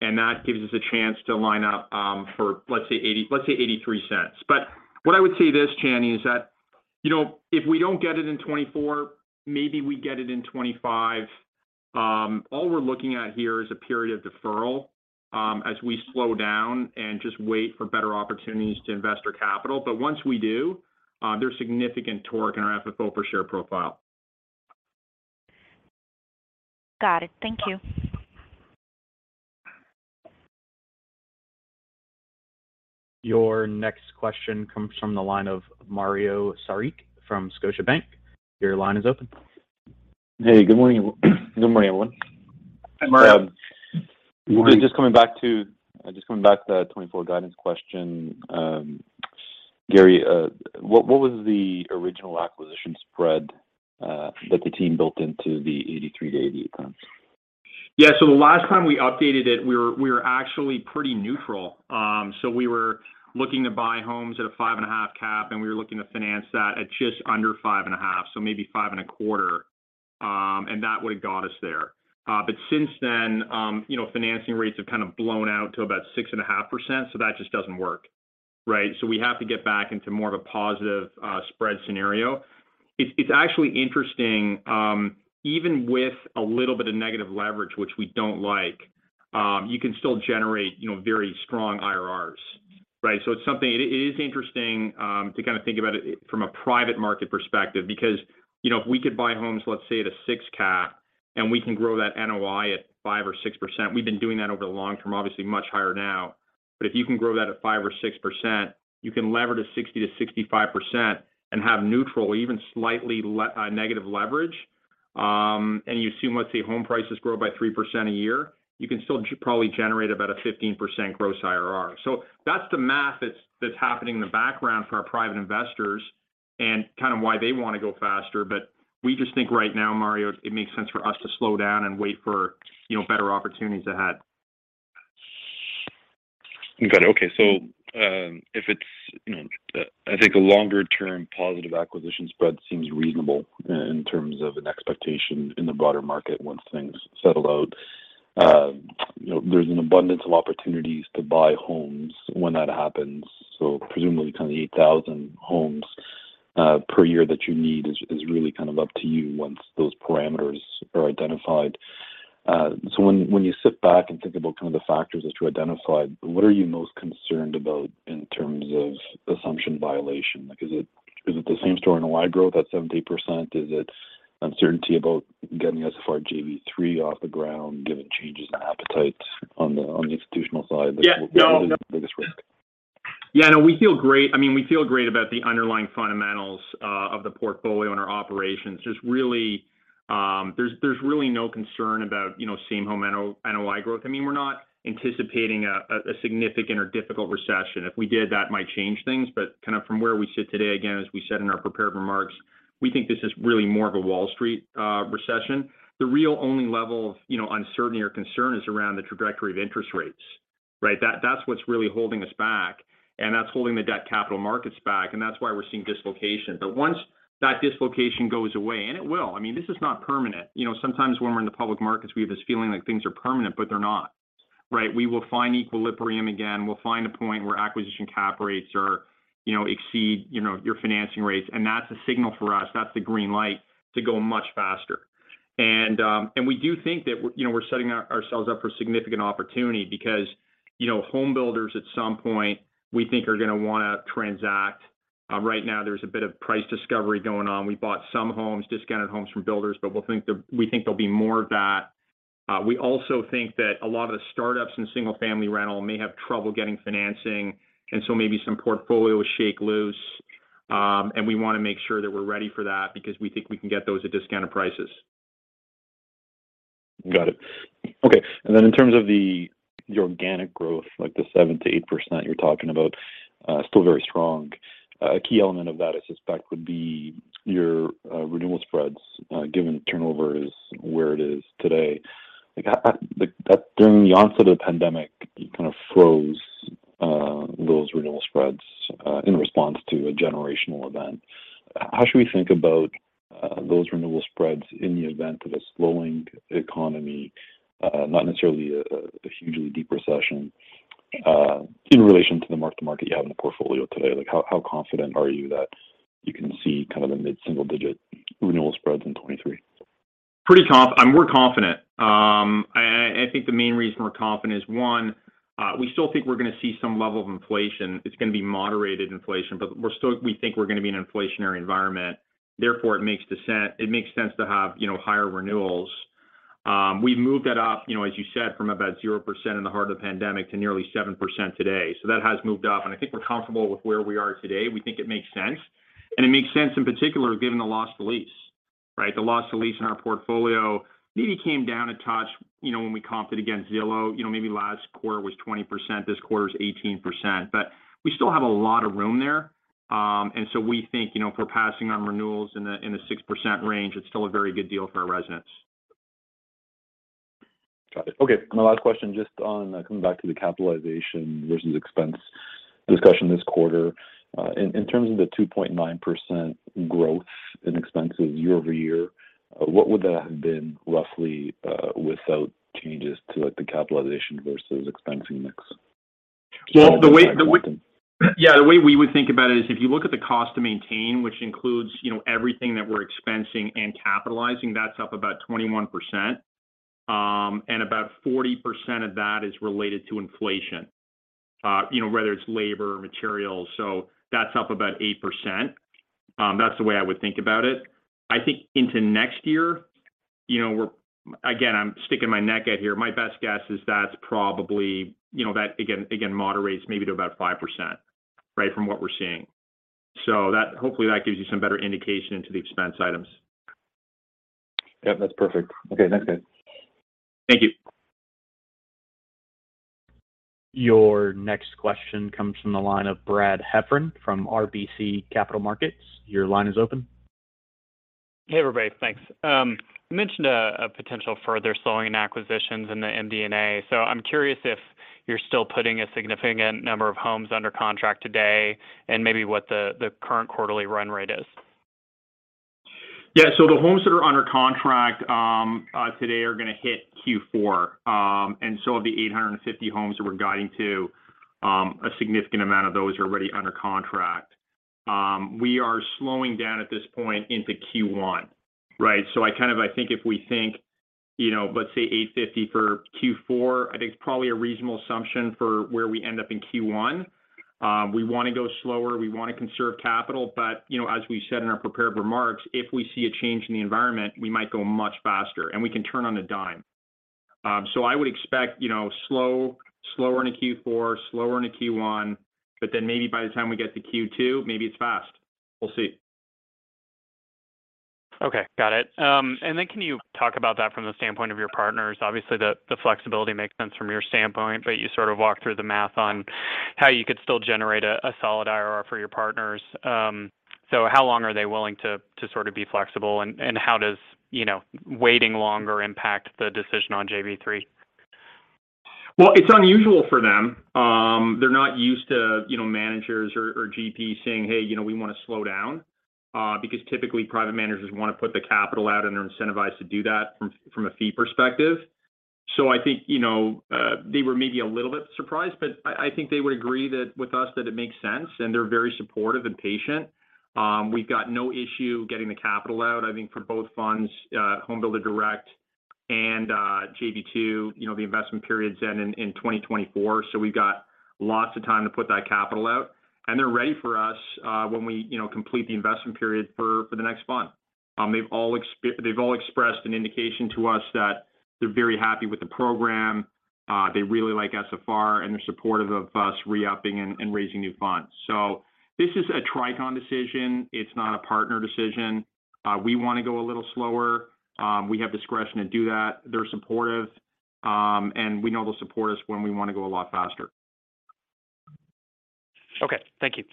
2024. That gives us a chance to line up for, let's say $0.83. What I would say this, Chandni, is that, you know, if we don't get it in 2024, maybe we get it in 2025. All we're looking at here is a period of deferral as we slow down and just wait for better opportunities to invest our capital. Once we do, there's significant torque in our FFO per share profile. Got it. Thank you. Your next question comes from the line of Mario Saric from Scotiabank. Your line is open. Hey, good morning. Good morning, everyone. Hi, Mario. Good morning. Just coming back to the 2024 guidance question. Gary, what was the original acquisition spread that the team built into the $0.83-$0.88 plan? Yeah. The last time we updated it, we were actually pretty neutral. We were looking to buy homes at a 5.5% cap, and we were looking to finance that at just under 5.5%, so maybe 5.25%. That would've got us there. Since then, you know, financing rates have kind of blown out to about 6.5%, so that just doesn't work, right? We have to get back into more of a positive spread scenario. It's actually interesting, even with a little bit of negative leverage, which we don't like, you can still generate, you know, very strong IRRs, right? It is interesting to kind of think about it from a private market perspective because, you know, if we could buy homes, let's say at a 6% cap, and we can grow that NOI at 5% or 6%, we've been doing that over the long term, obviously much higher now. If you can grow that at 5% or 6%, you can lever to 60%-65% and have neutral, even slightly negative leverage. You assume, let's say home prices grow by 3% a year, you can still probably generate about a 15% gross IRR. That's the math that's happening in the background for our private investors and kind of why they want to go faster. We just think right now, Mario, it makes sense for us to slow down and wait for, you know, better opportunities ahead. Got it. Okay. If it's, you know, I think a longer term positive acquisition spread seems reasonable in terms of an expectation in the broader market once things settle out. You know, there's an abundance of opportunities to buy homes when that happens. Presumably kind of 8,000 homes per year that you need is really kind of up to you once those parameters are identified. When you sit back and think about kind of the factors as identified, what are you most concerned about in terms of assumption violation? Like, is it the same story in YoY growth at 7%-8%? Is it uncertainty about getting SFR JV-3 off the ground given changes in appetite on the institutional side that- Yeah. No What is the biggest risk? Yeah, no, we feel great. I mean, we feel great about the underlying fundamentals of the portfolio and our operations. There's really no concern about, you know, same-home NOI growth. I mean, we're not anticipating a significant or difficult recession. If we did, that might change things. Kind of from where we sit today, again, as we said in our prepared remarks, we think this is really more of a Wall Street recession. The real economy level of, you know, uncertainty or concern is around the trajectory of interest rates, right? That's what's really holding us back, and that's holding the debt capital markets back, and that's why we're seeing dislocation. Once that dislocation goes away, and it will, I mean, this is not permanent. You know, sometimes when we're in the public markets, we have this feeling like things are permanent, but they're not, right? We will find equilibrium again. We'll find a point where acquisition cap rates are, you know, exceed, you know, your financing rates. That's a signal for us. That's the green light to go much faster. We do think that we're, you know, we're setting ourselves up for significant opportunity because, you know, home builders at some point we think are gonna wanna transact. Right now there's a bit of price discovery going on. We bought some homes, discounted homes from builders, but we think there'll be more of that. We also think that a lot of the startups in single-family rental may have trouble getting financing and so maybe some portfolios shake loose. We wanna make sure that we're ready for that because we think we can get those at discounted prices. Got it. Okay. In terms of the organic growth, like the 7%-8% you're talking about, still very strong. A key element of that I suspect would be your renewal spreads, given turnover is where it is today. Like, during the onset of the pandemic, you kind of froze those renewal spreads in response to a generational event. How should we think about those renewal spreads in the event of a slowing economy? Not necessarily a hugely deep recession, in relation to the mark-to-market you have in the portfolio today. Like, how confident are you that you can see kind of a mid-single-digit renewal spreads in 2023? We're confident. I think the main reason we're confident is, one, we still think we're gonna see some level of inflation. It's gonna be moderated inflation, but we think we're gonna be an inflationary environment. Therefore, it makes sense to have, you know, higher renewals. We've moved that up, you know, as you said, from about 0% in the heart of the pandemic to nearly 7% today. That has moved up, and I think we're comfortable with where we are today. We think it makes sense, and it makes sense in particular, given the loss to lease, right? The loss to lease in our portfolio maybe came down a touch, you know, when we comped it against Zillow. You know, maybe last quarter was 20%, this quarter is 18%. We still have a lot of room there. We think, you know, if we're passing on renewals in a 6% range, it's still a very good deal for our residents. Got it. Okay, my last question, just on coming back to the capitalization versus expense discussion this quarter. In terms of the 2.9% growth in expenses year-over-year, what would that have been roughly without changes to, like, the capitalization versus expensing mix? The way we would think about it is if you look at the cost to maintain, which includes, you know, everything that we're expensing and capitalizing, that's up about 21%. About 40% of that is related to inflation. You know, whether it's labor or materials. That's up about 8%. That's the way I would think about it. I think into next year, you know, again, I'm sticking my neck out here. My best guess is that's probably, you know, that again moderates maybe to about 5%, right, from what we're seeing. Hopefully, that gives you some better indication into the expense items. Yep, that's perfect. Okay, thanks guys. Thank you. Your next question comes from the line of Brad Heffron from RBC Capital Markets. Your line is open. Hey, everybody. Thanks. You mentioned a potential further slowing in acquisitions in the MD&A. I'm curious if you're still putting a significant number of homes under contract today and maybe what the current quarterly run rate is? Yeah. The homes that are under contract, today are gonna hit Q4. Of the 850 homes that we're guiding to, a significant amount of those are already under contract. We are slowing down at this point into Q1, right? I think if we think, you know, let's say 850 for Q4, I think it's probably a reasonable assumption for where we end up in Q1. We wanna go slower, we wanna conserve capital. You know, as we said in our prepared remarks, if we see a change in the environment, we might go much faster, and we can turn on a dime. I would expect, you know, slow, slower in the Q4, slower in the Q1, but then maybe by the time we get to Q2, maybe it's fast. We'll see. Okay, got it. Can you talk about that from the standpoint of your partners? Obviously, the flexibility makes sense from your standpoint, but you sort of walked through the math on how you could still generate a solid IRR for your partners. How long are they willing to sort of be flexible and how does, you know, waiting longer impact the decision on JV-3? Well, it's unusual for them. They're not used to, you know, managers or GPs saying, "Hey, you know, we wanna slow down." Because typically private managers wanna put the capital out, and they're incentivized to do that from a fee perspective. I think, you know, they were maybe a little bit surprised, but I think they would agree that with us that it makes sense, and they're very supportive and patient. We've got no issue getting the capital out, I think, for both funds, Home Builder Direct and JV-2. You know, the investment period's end in 2024, so we've got lots of time to put that capital out, and they're ready for us, when we, you know, complete the investment period for the next fund. They've all expressed an indication to us that they're very happy with the program. They really like SFR, and they're supportive of us re-upping and raising new funds. This is a Tricon decision. It's not a partner decision. We wanna go a little slower. We have discretion to do that. They're supportive, and we know they'll support us when we wanna go a lot faster. Okay. Thank you.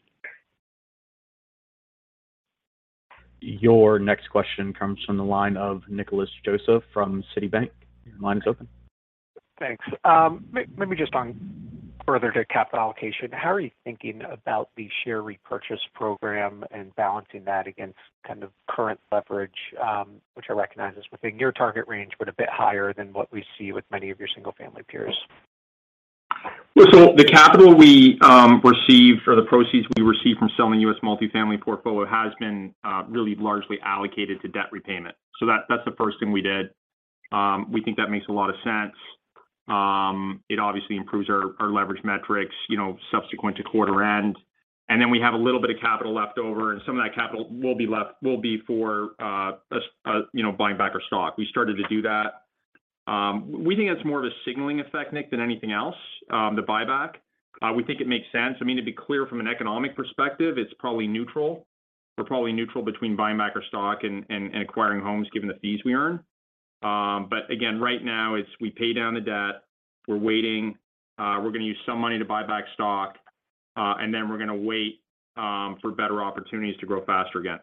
Your next question comes from the line of Nick Joseph from Citigroup. Your line is open. Thanks. Maybe just on further to capital allocation, how are you thinking about the share repurchase program and balancing that against kind of current leverage, which I recognize is within your target range, but a bit higher than what we see with many of your single-family peers? Well, the capital we received or the proceeds we received from selling U.S. multi-family portfolio has been really largely allocated to debt repayment. That's the first thing we did. We think that makes a lot of sense. It obviously improves our leverage metrics, you know, subsequent to quarter end. We have a little bit of capital left over, and some of that capital will be for us, you know, buying back our stock. We started to do that. We think it's more of a signaling effect, Nick, than anything else, the buyback. We think it makes sense. I mean, to be clear, from an economic perspective, it's probably neutral. We're probably neutral between buying back our stock and acquiring homes given the fees we earn. Again, right now it's we pay down the debt. We're waiting. We're gonna use some money to buy back stock, and then we're gonna wait for better opportunities to grow faster again.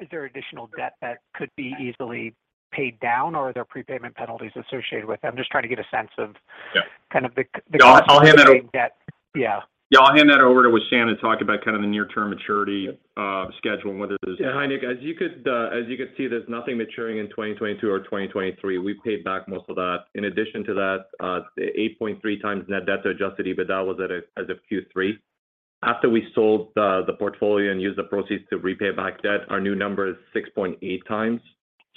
Is there additional debt that could be easily paid down or are there prepayment penalties associated with that? I'm just trying to get a sense of. Yeah. kind of the- No, I'll hand that over. Yeah. Yeah, I'll hand that over to Wissam to talk about kind of the near-term maturity schedule and whether there's. Yeah. Hi, Nick. As you can see, there's nothing maturing in 2022 or 2023. We've paid back most of that. In addition to that, 8.3x net debt to adjusted EBITDA was at as of Q3. After we sold the portfolio and used the proceeds to repay back debt, our new number is 6.8x.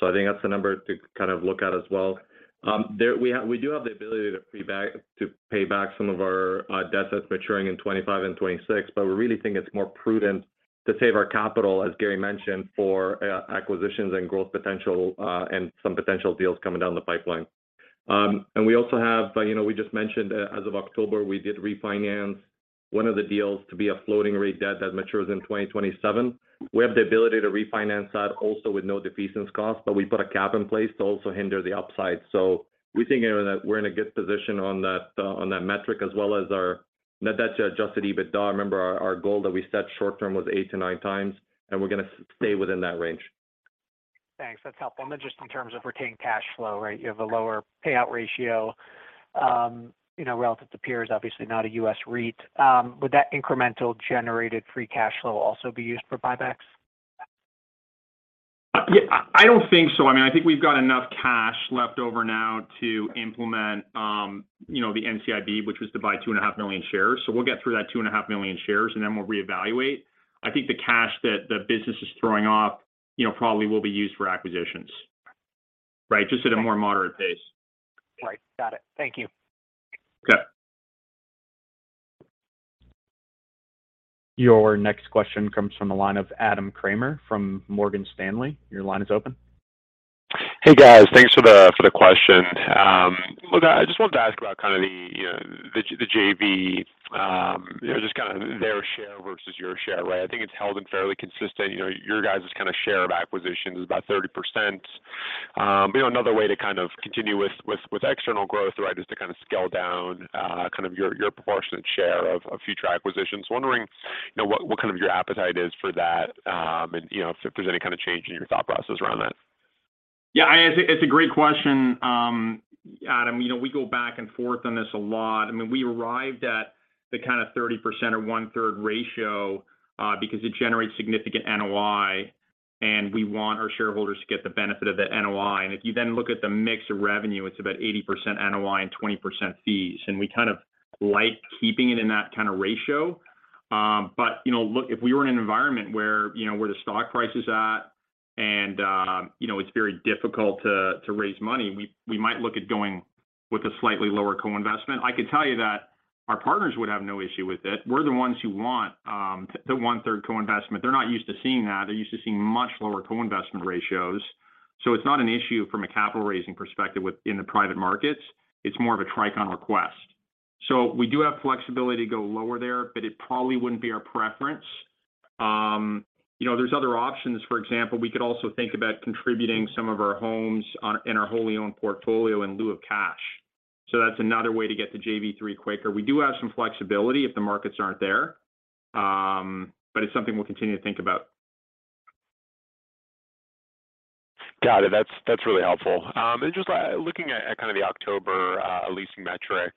I think that's the number to kind of look at as well. We do have the ability to pay back some of our debts that's maturing in 2025 and 2026, but we really think it's more prudent to save our capital, as Gary mentioned, for acquisitions and growth potential, and some potential deals coming down the pipeline. We also have, you know, we just mentioned, as of October, we did refinance one of the deals to be a floating rate debt that matures in 2027. We have the ability to refinance that also with no defeasance cost, but we put a cap in place to also hinder the upside. We think that we're in a good position on that, on that metric, as well as our net debt to adjusted EBITDA. Remember, our goal that we set short-term was 8x-9x, and we're gonna stay within that range. Thanks. That's helpful. Then just in terms of retained cash flow, right? You have a lower payout ratio, you know, relative to peers, obviously not a U.S. REIT. Would that incremental generated free cash flow also be used for buybacks? Yeah. I don't think so. I mean, I think we've got enough cash left over now to implement, you know, the NCIB, which was to buy 2.5 million shares. We'll get through that 2.5 million shares, and then we'll reevaluate. I think the cash that the business is throwing off, you know, probably will be used for acquisitions. Right? Just at a more moderate pace. Right. Got it. Thank you. Okay. Your next question comes from the line of Adam Kramer from Morgan Stanley. Your line is open. Hey, guys. Thanks for the question. Look, I just wanted to ask about kind of the, you know, the JV, you know, just kind of their share versus your share, right? I think it's held in fairly consistent. You know, your guys' kind of share of acquisitions is about 30%. You know, another way to kind of continue with external growth, right, is to kind of scale down, kind of your proportionate share of future acquisitions. Wondering, you know, what kind of your appetite is for that, and, you know, if there's any kind of change in your thought process around that. Yeah, it's a great question, Adam. You know, we go back and forth on this a lot. I mean, we arrived at the kind of 30% or 1/3 ratio because it generates significant NOI, and we want our shareholders to get the benefit of that NOI. If you then look at the mix of revenue, it's about 80% NOI and 20% fees. We kind of like keeping it in that kind of ratio. You know, look, if we were in an environment where you know, the stock price is at and you know, it's very difficult to raise money, we might look at going with a slightly lower co-investment. I could tell you that our partners would have no issue with it. We're the ones who want the 1/3 co-investment. They're not used to seeing that. They're used to seeing much lower co-investment ratios. It's not an issue from a capital raising perspective within the private markets. It's more of a Tricon request. We do have flexibility to go lower there, but it probably wouldn't be our preference. You know, there's other options. For example, we could also think about contributing some of our homes in our wholly owned portfolio in lieu of cash. That's another way to get the JV-3 quicker. We do have some flexibility if the markets aren't there, but it's something we'll continue to think about. Got it. That's really helpful. Just looking at kind of the October leasing metrics.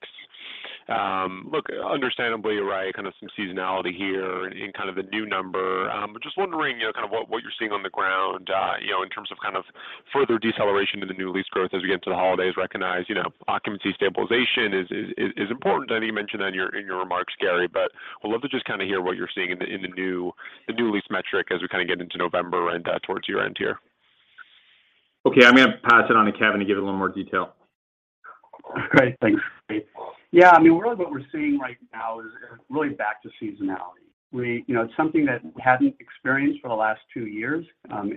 Understandably, right, kind of some seasonality here in kind of the new number. Just wondering, you know, kind of what you're seeing on the ground, you know, in terms of kind of further deceleration to the new lease growth as we get into the holidays. Recognize, you know, occupancy stabilization is important. I know you mentioned that in your remarks, Gary. I'd love to just kind of hear what you're seeing in the new lease metric as we kind of get into November and towards year-end here. Okay. I'm going to pass it on to Kevin to give a little more detail. Great. Thanks. Yeah. I mean, really what we're seeing right now is really back to seasonality. You know, it's something that we hadn't experienced for the last two years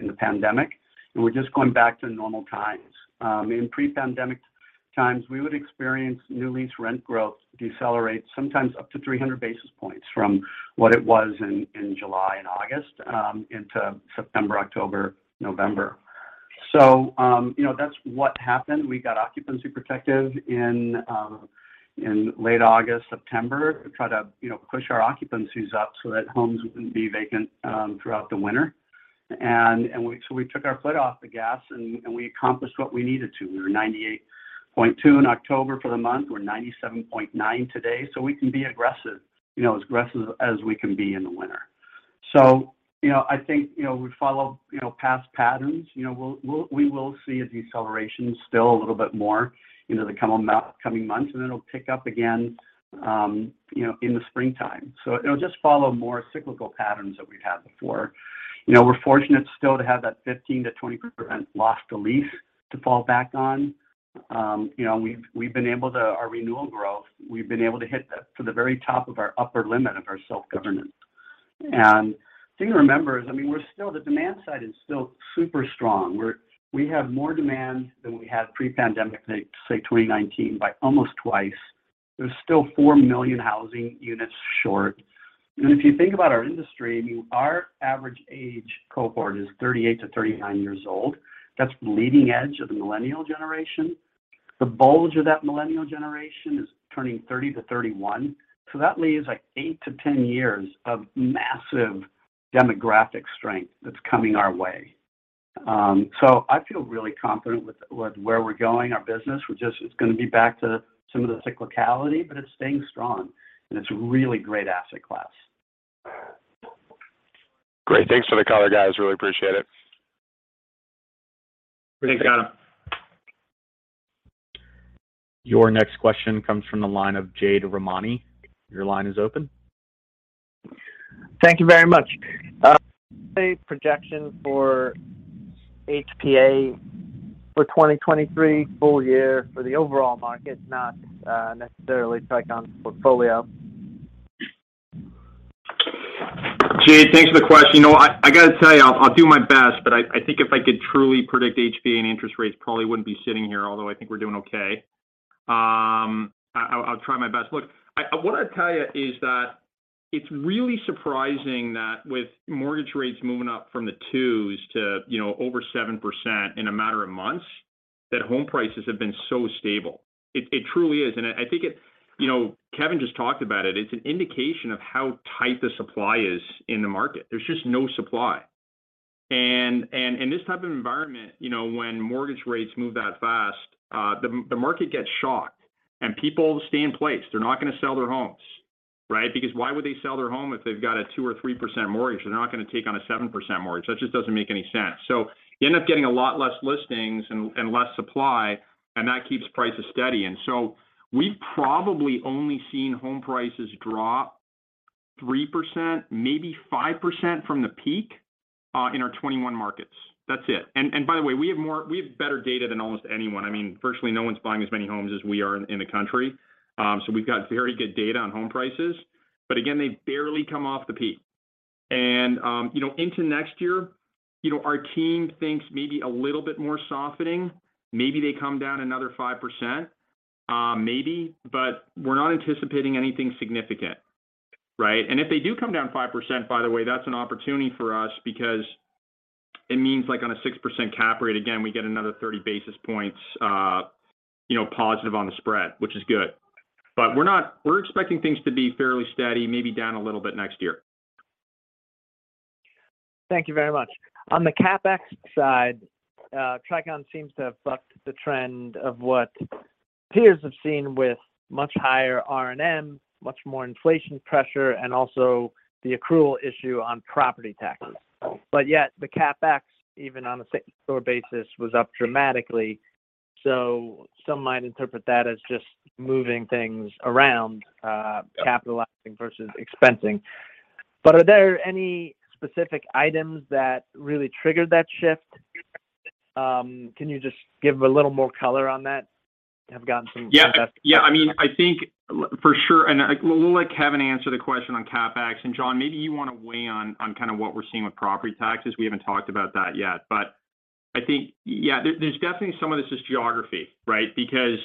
in the pandemic, and we're just going back to normal times. In pre-pandemic times, we would experience new lease rent growth decelerate sometimes up to 300 basis points from what it was in July and August into September, October, November. You know, that's what happened. We got occupancy protective in late August, September to try to push our occupancies up so that homes wouldn't be vacant throughout the winter. We took our foot off the gas and we accomplished what we needed to. We were 98.2% in October for the month. We're 97.9% today. We can be aggressive, you know, as aggressive as we can be in the winter. You know, I think, you know, we follow, you know, past patterns. You know, we will see a deceleration still a little bit more in the coming months, and then it'll pick up again, you know, in the springtime. It'll just follow more cyclical patterns that we've had before. You know, we're fortunate still to have that 15%-20% loss to lease to fall back on. You know, and we've been able to. Our renewal growth, we've been able to hit the very top of our upper limit of our guidance. The thing to remember is, I mean, we're still, the demand side is still super strong. We have more demand than we had pre-pandemic, say 2019, by almost twice. There's still 4 million housing units short. If you think about our industry, I mean, our average age cohort is 38 years old-39 years old. That's the leading edge of the millennial generation. The bulge of that millennial generation is turning 30 years old-31 years old. That leaves like eight to 10 years of massive demographic strength that's coming our way. I feel really confident with where we're going. Our business, it's gonna be back to some of the cyclicality, but it's staying strong. It's a really great asset class. Great. Thanks for the color, guys. Really appreciate it. Thanks, Adam. Your next question comes from the line of Jade Rahmani. Your line is open. Thank you very much. A projection for HPA for 2023 full year for the overall market, not necessarily Tricon's portfolio? Jade, thanks for the question. You know what? I gotta tell you, I'll do my best, but I think if I could truly predict HPA and interest rates, probably wouldn't be sitting here, although I think we're doing okay. I'll try my best. Look, what I'll tell you is that it's really surprising that with mortgage rates moving up from the 2s to over 7% in a matter of months, that home prices have been so stable. It truly is. I think it. You know, Kevin just talked about it. It's an indication of how tight the supply is in the market. There's just no supply. In this type of environment, you know, when mortgage rates move that fast, the market gets shocked and people stay in place. They're not gonna sell their homes, right? Because why would they sell their home if they've got a 2% or 3% mortgage? They're not gonna take on a 7% mortgage. That just doesn't make any sense. You end up getting a lot less listings and less supply, and that keeps prices steady. We've probably only seen home prices drop 3%, maybe 5% from the peak in our 21 markets. That's it. By the way, we have better data than almost anyone. I mean, virtually no one's buying as many homes as we are in the country. We've got very good data on home prices. Again, they've barely come off the peak. You know, into next year, you know, our team thinks maybe a little bit more softening. Maybe they come down another 5%, maybe, but we're not anticipating anything significant, right? If they do come down 5%, by the way, that's an opportunity for us because it means like on a 6% cap rate, again, we get another 30 basis points, you know, positive on the spread, which is good. We're expecting things to be fairly steady, maybe down a little bit next year. Thank you very much. On the CapEx side, Tricon seems to have bucked the trend of what peers have seen with much higher R&M, much more inflation pressure, and also the accrual issue on property taxes. Yet the CapEx, even on a same store basis, was up dramatically. Some might interpret that as just moving things around, capitalizing versus expensing. Are there any specific items that really triggered that shift? Can you just give a little more color on that? Have gotten some- Yeah. I mean, I think for sure, we'll let Kevin answer the question on CapEx. John, maybe you wanna weigh in on what we're seeing with property taxes. We haven't talked about that yet. I think, yeah, there's definitely some of this is geography, right? Because,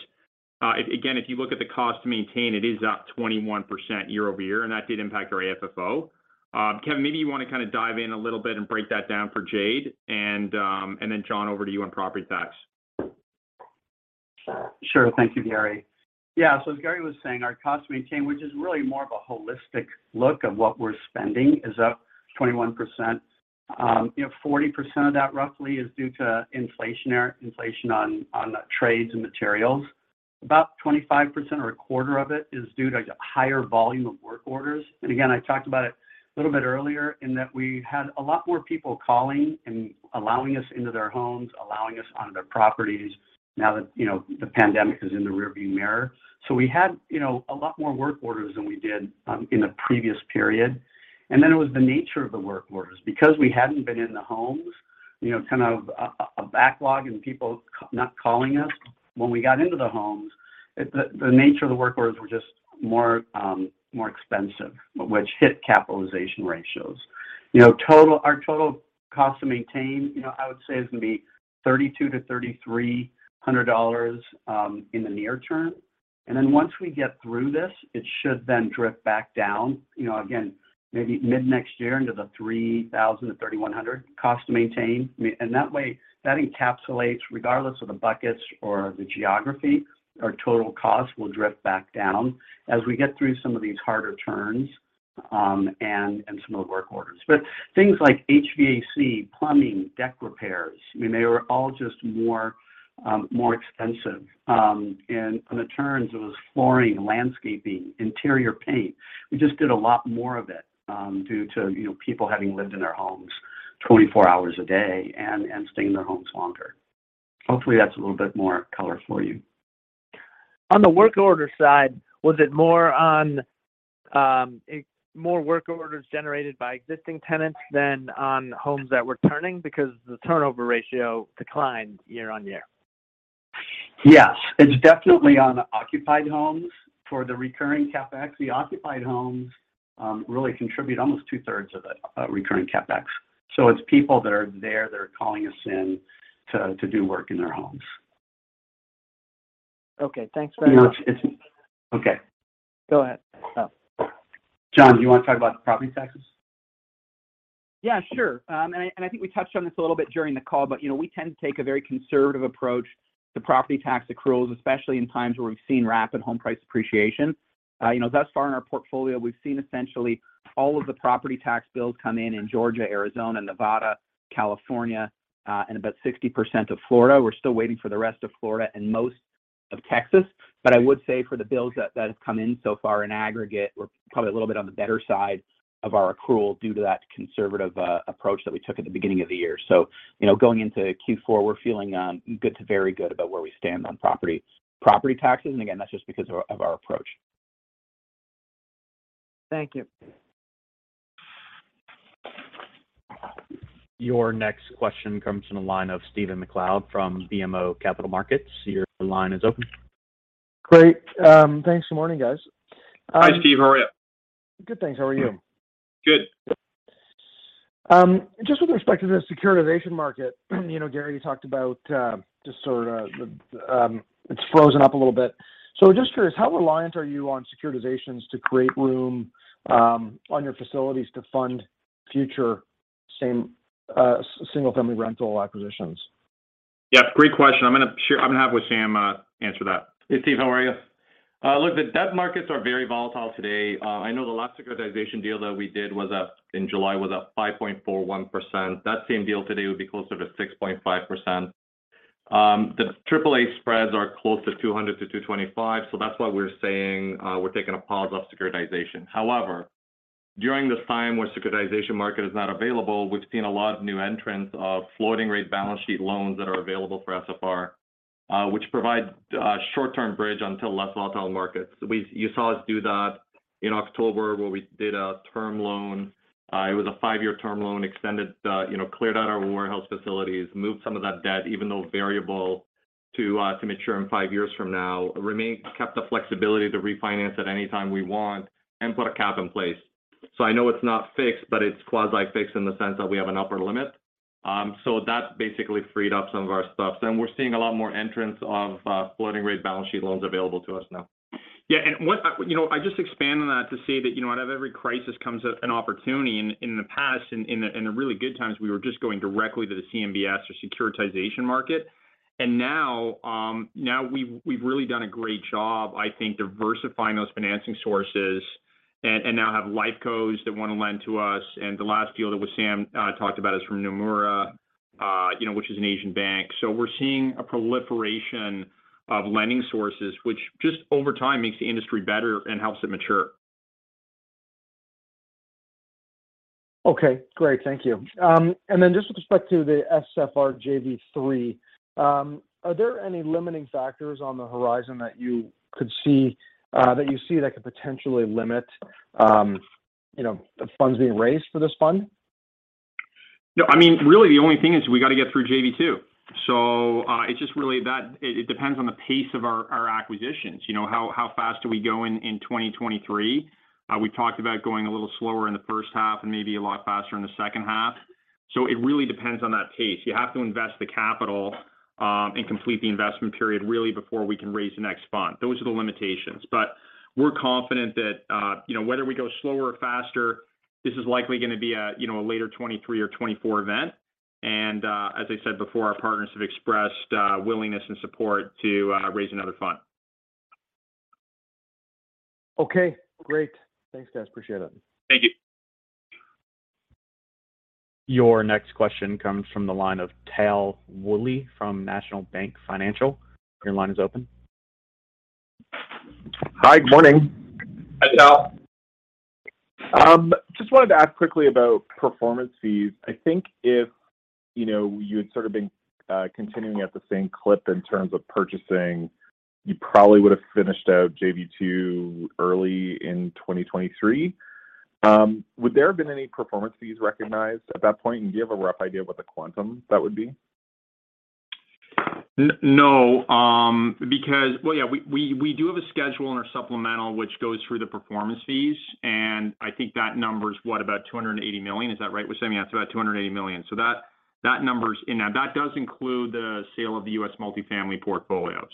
again, if you look at the cost to maintain, it is up 21% year-over-year, and that did impact our AFFO. Kevin, maybe you wanna kinda dive in a little bit and break that down for Jade, and then John, over to you on property tax. Sure. Thank you, Gary. Yeah. As Gary was saying, our cost to maintain, which is really more of a holistic look of what we're spending, is up 21%. You know, 40% of that roughly is due to inflation on trades and materials. About 25% or a quarter of it is due to higher volume of work orders. Again, I talked about it a little bit earlier in that we had a lot more people calling and allowing us into their homes, allowing us on their properties now that, you know, the pandemic is in the rear view mirror. We had, you know, a lot more work orders than we did in the previous period. Then it was the nature of the work orders. Because we hadn't been in the homes, you know, kind of a backlog and people not calling us, when we got into the homes, the nature of the work orders were just more expensive, which hit capitalization ratios. You know, our total cost to maintain, you know, I would say is gonna be $3,200-$3,300 in the near term. Then once we get through this, it should then drift back down, you know, again, maybe mid-next year into the $3,000-$3,100 cost to maintain. And that way, that encapsulates, regardless of the buckets or the geography, our total cost will drift back down as we get through some of these harder turns, and some of the work orders. Things like HVAC, plumbing, deck repairs, I mean, they were all just more expensive. On the turns, it was flooring, landscaping, interior paint. We just did a lot more of it due to, you know, people having lived in their homes 24 hours a day and staying in their homes longer. Hopefully, that's a little bit more color for you. On the work order side, was it more on, more work orders generated by existing tenants than on homes that were turning? Because the turnover ratio declined year on year. Yes. It's definitely on occupied homes. For the recurring CapEx, the occupied homes really contribute almost two-thirds of the recurring CapEx. It's people that are there that are calling us in to do work in their homes. Okay. Thanks very much. You know, it's okay. Go ahead. Oh. John, do you wanna talk about the property taxes? Yeah, sure. I think we touched on this a little bit during the call, but you know, we tend to take a very conservative approach to property tax accruals, especially in times where we've seen rapid home price appreciation. You know, thus far in our portfolio, we've seen essentially all of the property tax bills come in in Georgia, Arizona, Nevada, California, and about 60% of Florida. We're still waiting for the rest of Florida and most of Texas. I would say for the bills that have come in so far in aggregate, we're probably a little bit on the better side of our accrual due to that conservative approach that we took at the beginning of the year. You know, going into Q4, we're feeling good to very good about where we stand on property taxes. Again, that's just because of our approach. Thank you. Your next question comes from the line of Stephen MacLeod from BMO Capital Markets. Your line is open. Great. Thanks, good morning, guys. Hi, Steve. How are you? Good, thanks. How are you? Good. Just with respect to the securitization market, you know, Gary, you talked about just sort of the, it's frozen up a little bit. Just curious, how reliant are you on securitizations to create room on your facilities to fund future single-family rental acquisitions? Yeah, great question. I'm gonna have Wissam Francis answer that. Hey, Steve, how are you? Look, the debt markets are very volatile today. I know the last securitization deal that we did was at 5.41% in July. That same deal today would be closer to 6.5%. The AAA spreads are close to 200 basis points-225 basis points, so that's why we're saying we're taking a pause on securitization. However, during this time where securitization market is not available, we've seen a lot of new entrants of floating rate balance sheet loans that are available for SFR, which provide a short-term bridge until less volatile markets. You saw us do that in October, where we did a term loan. It was a five-year term loan, extended the, you know, cleared out our warehouse facilities, moved some of that debt, even though variable, to mature in five years from now, kept the flexibility to refinance at any time we want and put a cap in place. I know it's not fixed, but it's quasi-fixed in the sense that we have an upper limit. That basically freed up some of our stuff. We're seeing a lot more entrants of floating rate balance sheet loans available to us now. You know, if I just expand on that to say that, you know, out of every crisis comes an opportunity. In the past, in the really good times, we were just going directly to the CMBS or securitization market. Now we've really done a great job, I think, diversifying those financing sources and now have life cos that wanna lend to us. The last deal that Wissam talked about is from Nomura, you know, which is an Asian bank. We're seeing a proliferation of lending sources, which just over time makes the industry better and helps it mature. Okay, great. Thank you. Just with respect to the SFR JV-3, are there any limiting factors on the horizon that you could see, that you see that could potentially limit, you know, the funds being raised for this fund? No. I mean, really the only thing is we gotta get through SFR JV-2. It's just really that it depends on the pace of our acquisitions. You know, how fast are we going in 2023? We've talked about going a little slower in the first half and maybe a lot faster in the second half. It really depends on that pace. You have to invest the capital and complete the investment period really before we can raise the next fund. Those are the limitations. We're confident that, you know, whether we go slower or faster, this is likely gonna be a, you know, a later 2023 or 2024 event. As I said before, our partners have expressed willingness and support to raise another fund. Okay, great. Thanks, guys. Appreciate it. Thank you. Your next question comes from the line of Tal Woolley from National Bank Financial. Your line is open. Hi. Good morning. Hi, Tal. Just wanted to ask quickly about performance fees. I think if, you know, you had sort of been continuing at the same clip in terms of purchasing, you probably would have finished out SFR JV-2 early in 2023. Would there have been any performance fees recognized at that point? And do you have a rough idea of what the quantum of that would be? No, because. Well, yeah, we do have a schedule in our supplemental which goes through the performance fees, and I think that number's what, about $280 million. Is that right, Wissam? That's about $280 million. That number's in there. That does include the sale of the U.S. multi-family portfolio.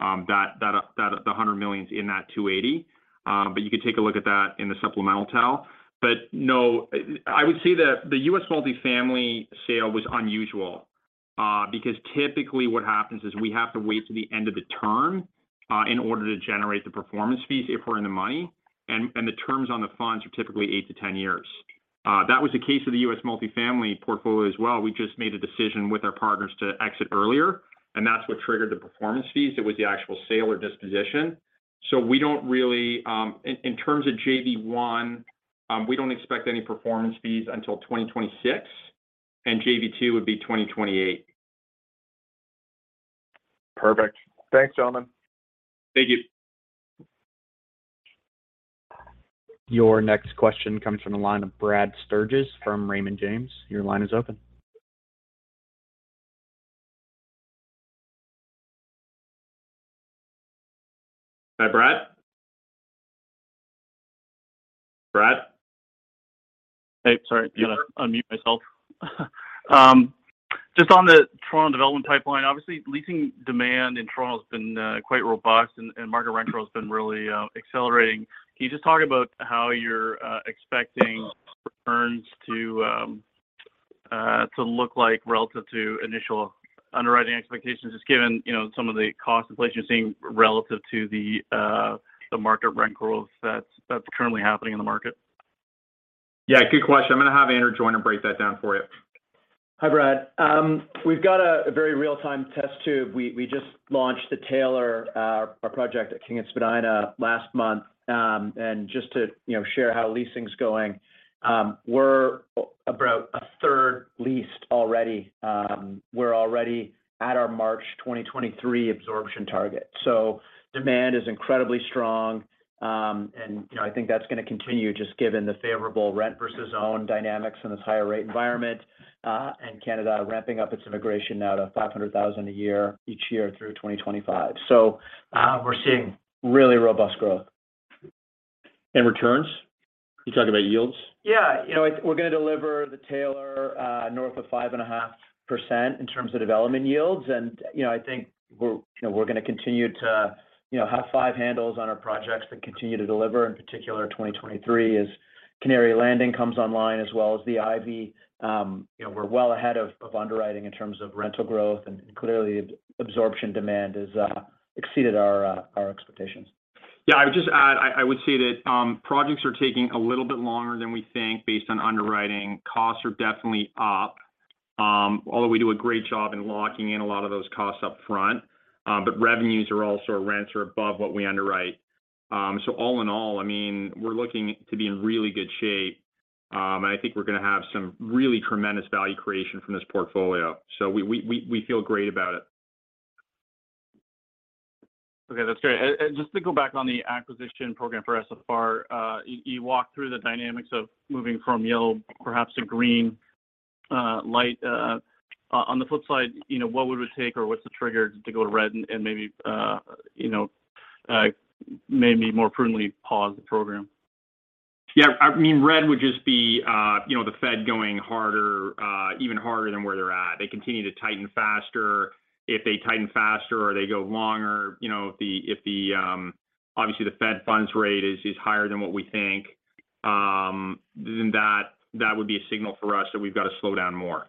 That, the $100 million's in that 280. But you can take a look at that in the supplemental, Tal. But no, I would say that the U.S. multi-family sale was unusual, because typically what happens is we have to wait till the end of the term in order to generate the performance fees if we're in the money. The terms on the funds are typically eight to 10 years. That was the case of the U.S. multi-family portfolio as well. We just made a decision with our partners to exit earlier, and that's what triggered the performance fees. It was the actual sale or disposition. In terms of JV-1, we don't expect any performance fees until 2026, and JV-2 would be 2028. Perfect. Thanks, gentlemen. Thank you. Your next question comes from the line of Brad Sturges from Raymond James. Your line is open. Hi, Brad. Brad? Hey, sorry. Yeah, gotta unmute myself. Just on the Toronto development pipeline, obviously leasing demand in Toronto has been quite robust and market rental has been really accelerating. Can you just talk about how you're expecting returns to look like relative to initial underwriting expectations, just given, you know, some of the cost inflation you're seeing relative to the market rent growth that's currently happening in the market? Yeah, good question. I'm gonna have Andrew Joyner break that down for you. Hi, Brad. We've got a very real-time test case. We just launched The Taylor, our project at King and Spadina last month. Just to, you know, share how leasing's going, we're about a third leased already. We're already at our March 2023 absorption target. Demand is incredibly strong. You know, I think that's gonna continue just given the favorable rent versus own dynamics in this higher rate environment, and Canada ramping up its immigration now to 500,000 a year each year through 2025. We're seeing really robust growth. Returns? You talked about yields. Yeah. You know, we're gonna deliver The Taylor north of 5.5% in terms of development yields. You know, I think we're gonna continue to have 5% handles on our projects that continue to deliver, in particular 2023 as Canary Landing comes online as well as The Ivy. You know, we're well ahead of underwriting in terms of rental growth and clearly absorption demand exceeded our expectations. Yeah, I would just add, I would say that projects are taking a little bit longer than we think based on underwriting. Costs are definitely up, although we do a great job in locking in a lot of those costs up front. But revenues are also, rents are above what we underwrite. So all in all, I mean, we're looking to be in really good shape. And I think we're gonna have some really tremendous value creation from this portfolio. We feel great about it. Okay, that's great. Just to go back on the acquisition program for SFR, you walked through the dynamics of moving from yellow perhaps to green light. On the flip side, you know, what would it take or what's the trigger to go to red and maybe, you know, maybe more prudently pause the program? Yeah. I mean, red would just be, you know, the Fed going harder, even harder than where they're at. They continue to tighten faster. If they tighten faster or they go longer, you know, if the obviously the Fed funds rate is higher than what we think, then that would be a signal for us that we've got to slow down more,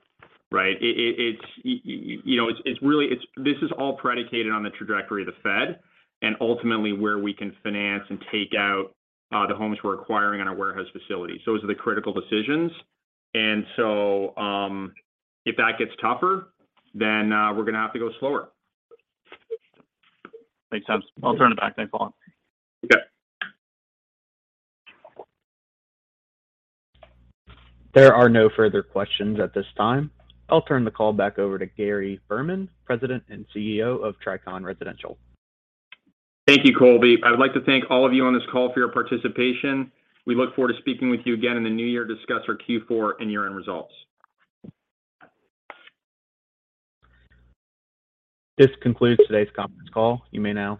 right? It's you know, it's really this is all predicated on the trajectory of the Fed and ultimately where we can finance and take out the homes we're acquiring in our warehouse facility. Those are the critical decisions. If that gets tougher, then we're gonna have to go slower. Makes sense. I'll turn it back. Thanks, Paul. Okay. There are no further questions at this time. I'll turn the call back over to Gary Berman, President and CEO of Tricon Residential. Thank you, Colby. I'd like to thank all of you on this call for your participation. We look forward to speaking with you again in the new year to discuss our Q4 and year-end results. This concludes today's conference call. You may now disconnect.